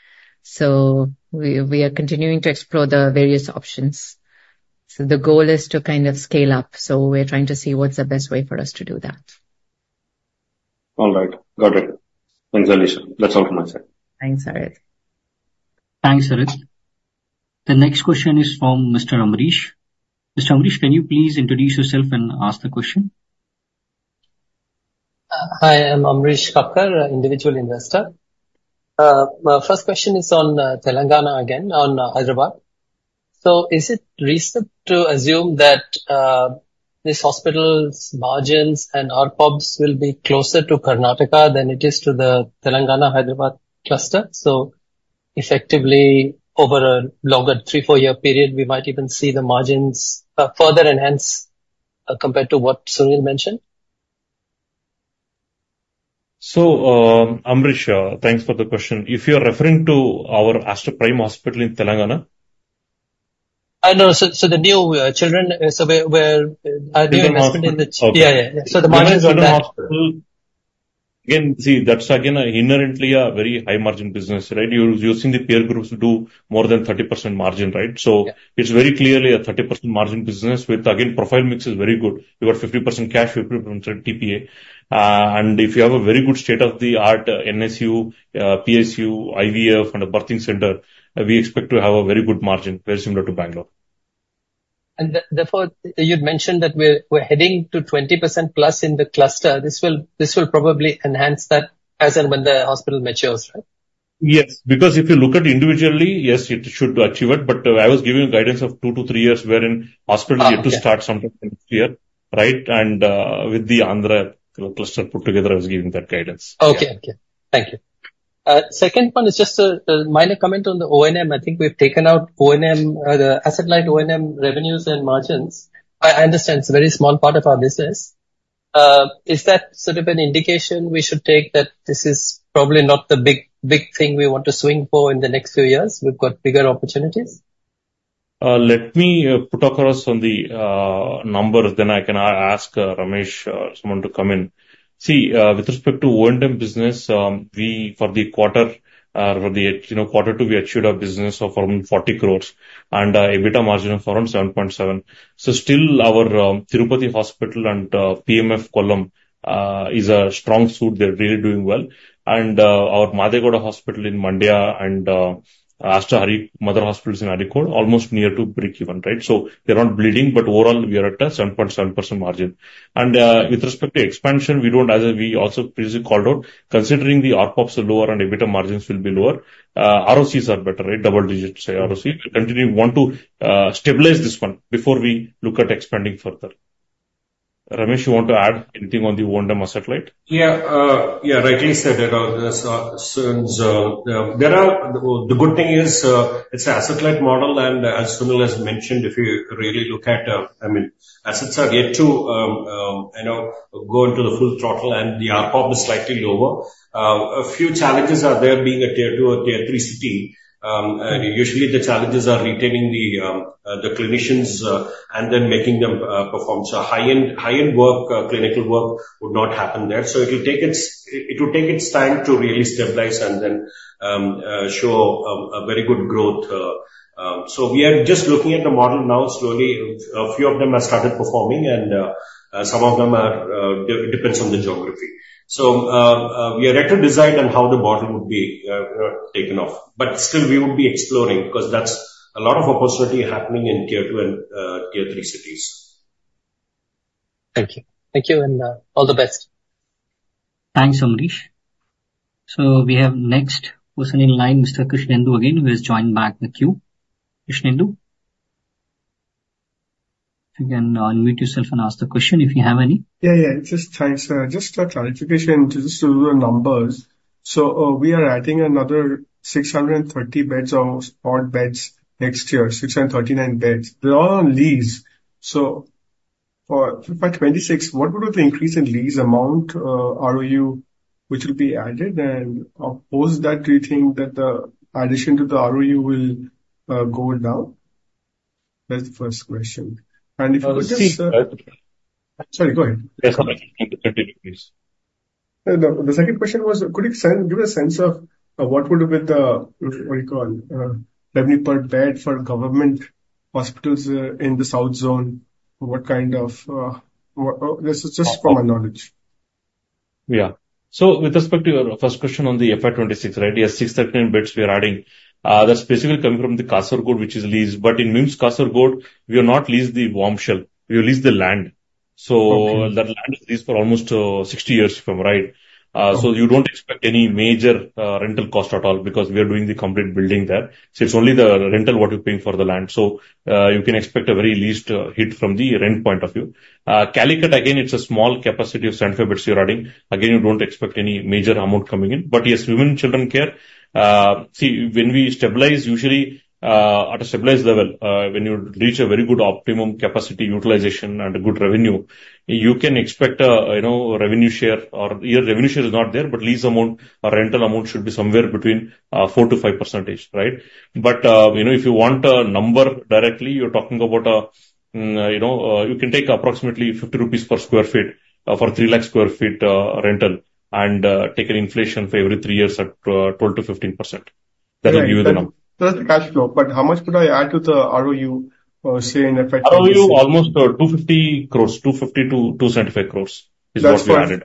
We are continuing to explore the various options. The goal is to kind of scale up, so we're trying to see what's the best way for us to do that. All right. Got it. Thanks, Alisha. That's all from my side. Thanks, Harith. Thanks, Harith. The next question is from Mr. Amrish. Mr. Amrish, can you please introduce yourself and ask the question? Hi, I'm Amrish Kakar, individual investor. My first question is on Telangana again, on Hyderabad. So is it reasonable to assume that this hospital's margins and ARPOBs will be closer to Karnataka than it is to the Telangana Hyderabad cluster? So effectively, over a longer three, four-year period, we might even see the margins further enhanced compared to what Sunil mentioned. Amrish, thanks for the question. If you're referring to our Aster Prime Hospital in Telangana? No. So the new children, so where, where- Okay. Yeah, yeah. So the margins- Again, see, that's again, inherently a very high margin business, right? You're using the peer groups to do more than 30% margin, right? Yeah. So it's very clearly a 30% margin business with, again, profile mix is very good. You got 50% cash, 50% TPA. And if you have a very good state-of-the-art NICU, PICU, IVF and a birthing center, we expect to have a very good margin, very similar to Bangalore. And therefore, you'd mentioned that we're heading to 20% plus in the cluster. This will probably enhance that as and when the hospital matures, right? Yes, because if you look at individually, yes, it should achieve it, but I was giving you guidance of two to three years, wherein hospital- Okay. Need to start sometime next year, right? And, with the Andhra cluster put together, I was giving that guidance. Okay, okay. Thank you. Second one is just a minor comment on the O&M. I think we've taken out O&M, the asset-light O&M revenues and margins. I understand it's a very small part of our business. Is that sort of an indication we should take that this is probably not the big, big thing we want to swing for in the next few years? We've got bigger opportunities. Let me put across on the numbers, then I can ask Ramesh or someone to come in. See, with respect to O&M business, we, for the quarter, for the, you know, quarter two, we achieved a business of around 40 crores and EBITDA margin of around 7.7%. So still our Tirupati hospital and PMF Kollam is a strong suit. They're really doing well. And our Madegowda Hospital in Mandya and Aster Mother Hospital in Areekode, almost near to breakeven, right? So they're not bleeding, but overall, we are at a 7.7% margin. And with respect to expansion, we also previously called out, considering the ARPOBs are lower and EBITDA margins will be lower, ROCEs are better, right? Double digits ROCE. We continue, want to, stabilize this one before we look at expanding further. Ramesh, you want to add anything on the O&M asset light? Yeah, yeah, rightly said. There are, so, there are. The good thing is, it's an asset-light model, and as Sunil has mentioned, if you really look at, I mean, assets are yet to, you know, go into the full throttle and the RPOP is slightly lower. A few challenges are there being a Tier two or Tier three city. Usually the challenges are retaining the, the clinicians, and then making them, perform. So high-end, high-end work, clinical work would not happen there. So it will take its time to really stabilize and then, show a very good growth. So we are just looking at the model now. Slowly, a few of them have started performing and, some of them are, it depends on the geography. So, we are yet to decide on how the model would be taken off. But still we would be exploring, because that's a lot of opportunity happening in Tier two and Tier three cities.... Thank you. Thank you, and, all the best. Thanks, Amrish. So we have next person in line, Mr. Krishnendu again, who has joined back the queue. Krishnendu? You can unmute yourself and ask the question if you have any. Yeah, yeah, just thanks. Just a clarification just to the numbers. So, we are adding another 630 beds, or spot beds next year, 639 beds. They're all on lease. So for FY 2026, what would be the increase in lease amount, ROU, which will be added? And opposed that, do you think that the addition to the ROU will go down? That's the first question. And if you could just- Uh, see- Sorry, go ahead. Yes, go ahead. Continue, please. The second question was, could you give a sense of what would be the, what you call, revenue per bed for government hospitals in the South Zone? What kind of... This is just from my knowledge. Yeah. So with respect to your first question on the FY26, right, yes, 613 beds we are adding, that's specifically coming from the Kasaragod, which is leased. But in MIMS Kasaragod, we have not leased the warm shell, we have leased the land. Okay. That land is leased for almost sixty years from, right? Yeah. So you don't expect any major rental cost at all, because we are doing the complete building there. So it's only the rental what you're paying for the land. So you can expect a very low hit from the rent point of view. Calicut, again, it's a small capacity of 70 beds we are adding. Again, you don't expect any major amount coming in. But yes, women and children care, see, when we stabilize, usually, at a stabilized level, when you reach a very good optimum capacity utilization and a good revenue, you can expect a, you know, revenue share or... Year revenue share is not there, but lease amount or rental amount should be somewhere between 4%-5%, right? But, you know, if you want a number directly, you're talking about, you know, you can take approximately 50 rupees per sq ft, for three lakh sq ft, rental and, take an inflation for every three years at, 12%-15%. That will give you the number. That's the cash flow. But how much could I add to the ROU, say, in effect? ROU, almost, 250 crores, 250-275 crores is what we added.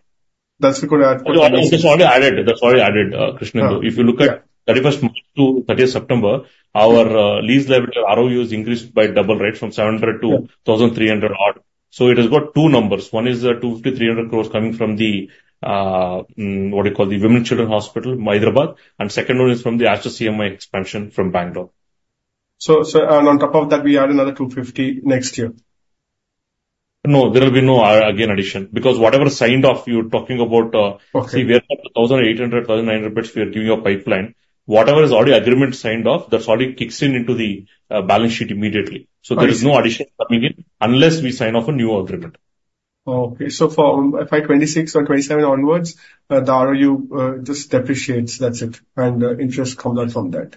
That's a good add. That's already added, Krishnendu. Yeah. If you look at thirty-first March to thirtieth September, our lease level ROU has increased by double rate, from seven hundred- Yeah two thousand three hundred odd. So it has got two numbers. One is 250-300 crores coming from the Women and Children Hospital, Hyderabad. And second one is from the Aster CMI expansion from Bangalore. So, and on top of that, we add another 250 next year? No, there will be no, again, addition, because whatever is signed off, you're talking about. Okay. See, we are at 1,800-1,900 beds. We are giving a pipeline. Whatever is already agreement signed off, that's already kicks in into the balance sheet immediately. Right. There is no addition coming in unless we sign off a new agreement. Okay. So for FY 26 or 27 onwards, the ROU just depreciates, that's it, and interest comes out from that.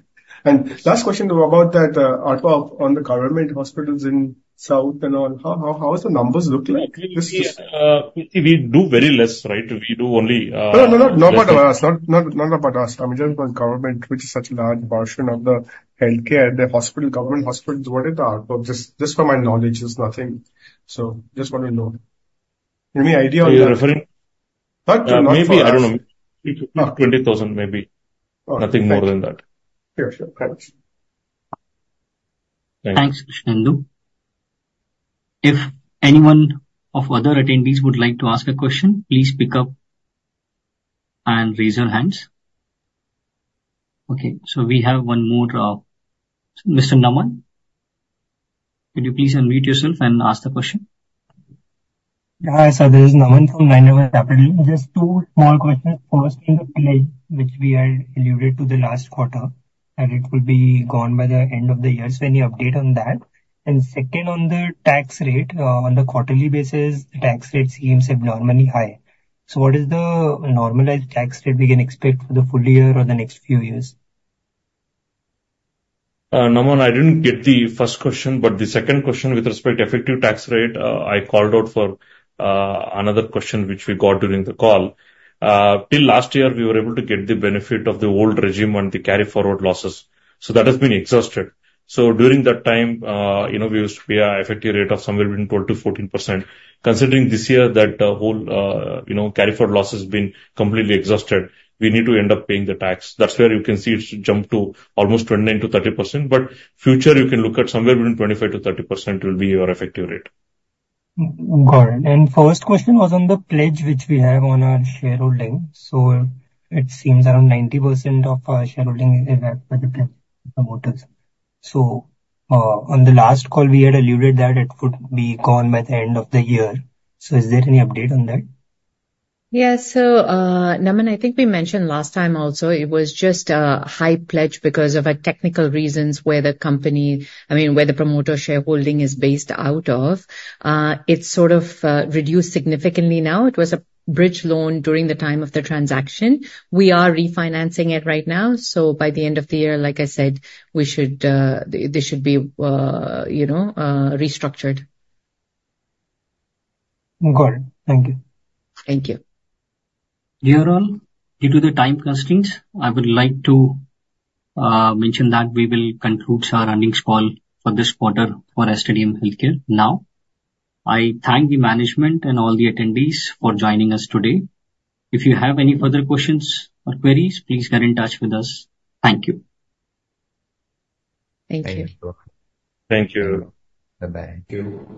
Last question about that, on top of the government hospitals in South and all, how are the numbers look like? We do very less, right? We do only, No, no, no, not about us. Not, not, not about us. I mean, just for government, which is such a large portion of the healthcare, the hospital, government hospitals, what is the output? Just, just from my knowledge, it's nothing. So just want to know. Any idea on that? You're referring- But maybe for us. Maybe, I don't know. Not- Twenty thousand, maybe. Okay. Nothing more than that. Sure, sure. Thanks. Thanks, Krishnendu. If anyone of other attendees would like to ask a question, please pick up and raise your hands. Okay, so we have one more, Mr. Naman, could you please unmute yourself and ask the question? Yeah, hi, sir, this is Naman from Nine Rivers Capital. Just two small questions. First, in the pledge, which we had alluded to the last quarter, and it would be gone by the end of the year. So any update on that? And second, on the tax rate, on the quarterly basis, the tax rate seems abnormally high. So what is the normalized tax rate we can expect for the full year or the next few years? Naman, I didn't get the first question, but the second question with respect to effective tax rate, I called out for another question, which we got during the call. Till last year, we were able to get the benefit of the old regime and the carry forward losses. So that has been exhausted. So during that time, you know, we used to pay an effective rate of somewhere between 12%-14%. Considering this year, that whole, you know, carry forward loss has been completely exhausted, we need to end up paying the tax. That's where you can see it's jumped to almost 29%-30%, but future, you can look at somewhere between 25%-30% will be our effective rate. Got it. And first question was on the pledge, which we have on our shareholding. So it seems around 90% of our shareholding is held by the promoters. So, on the last call, we had alluded that it would be gone by the end of the year. So is there any update on that? Yeah. So, Naman, I think we mentioned last time also, it was just a high pledge because of a technical reasons where the company, I mean, where the promoter shareholding is based out of. It's sort of reduced significantly now. It was a bridge loan during the time of the transaction. We are refinancing it right now, so by the end of the year, like I said, we should this should be you know restructured. Got it. Thank you. Thank you. Dear all, due to the time constraints, I would like to mention that we will conclude our earnings call for this quarter for Aster DM Healthcare now. I thank the management and all the attendees for joining us today. If you have any further questions or queries, please get in touch with us. Thank you. Thank you. Thank you. Bye-bye. Thank you.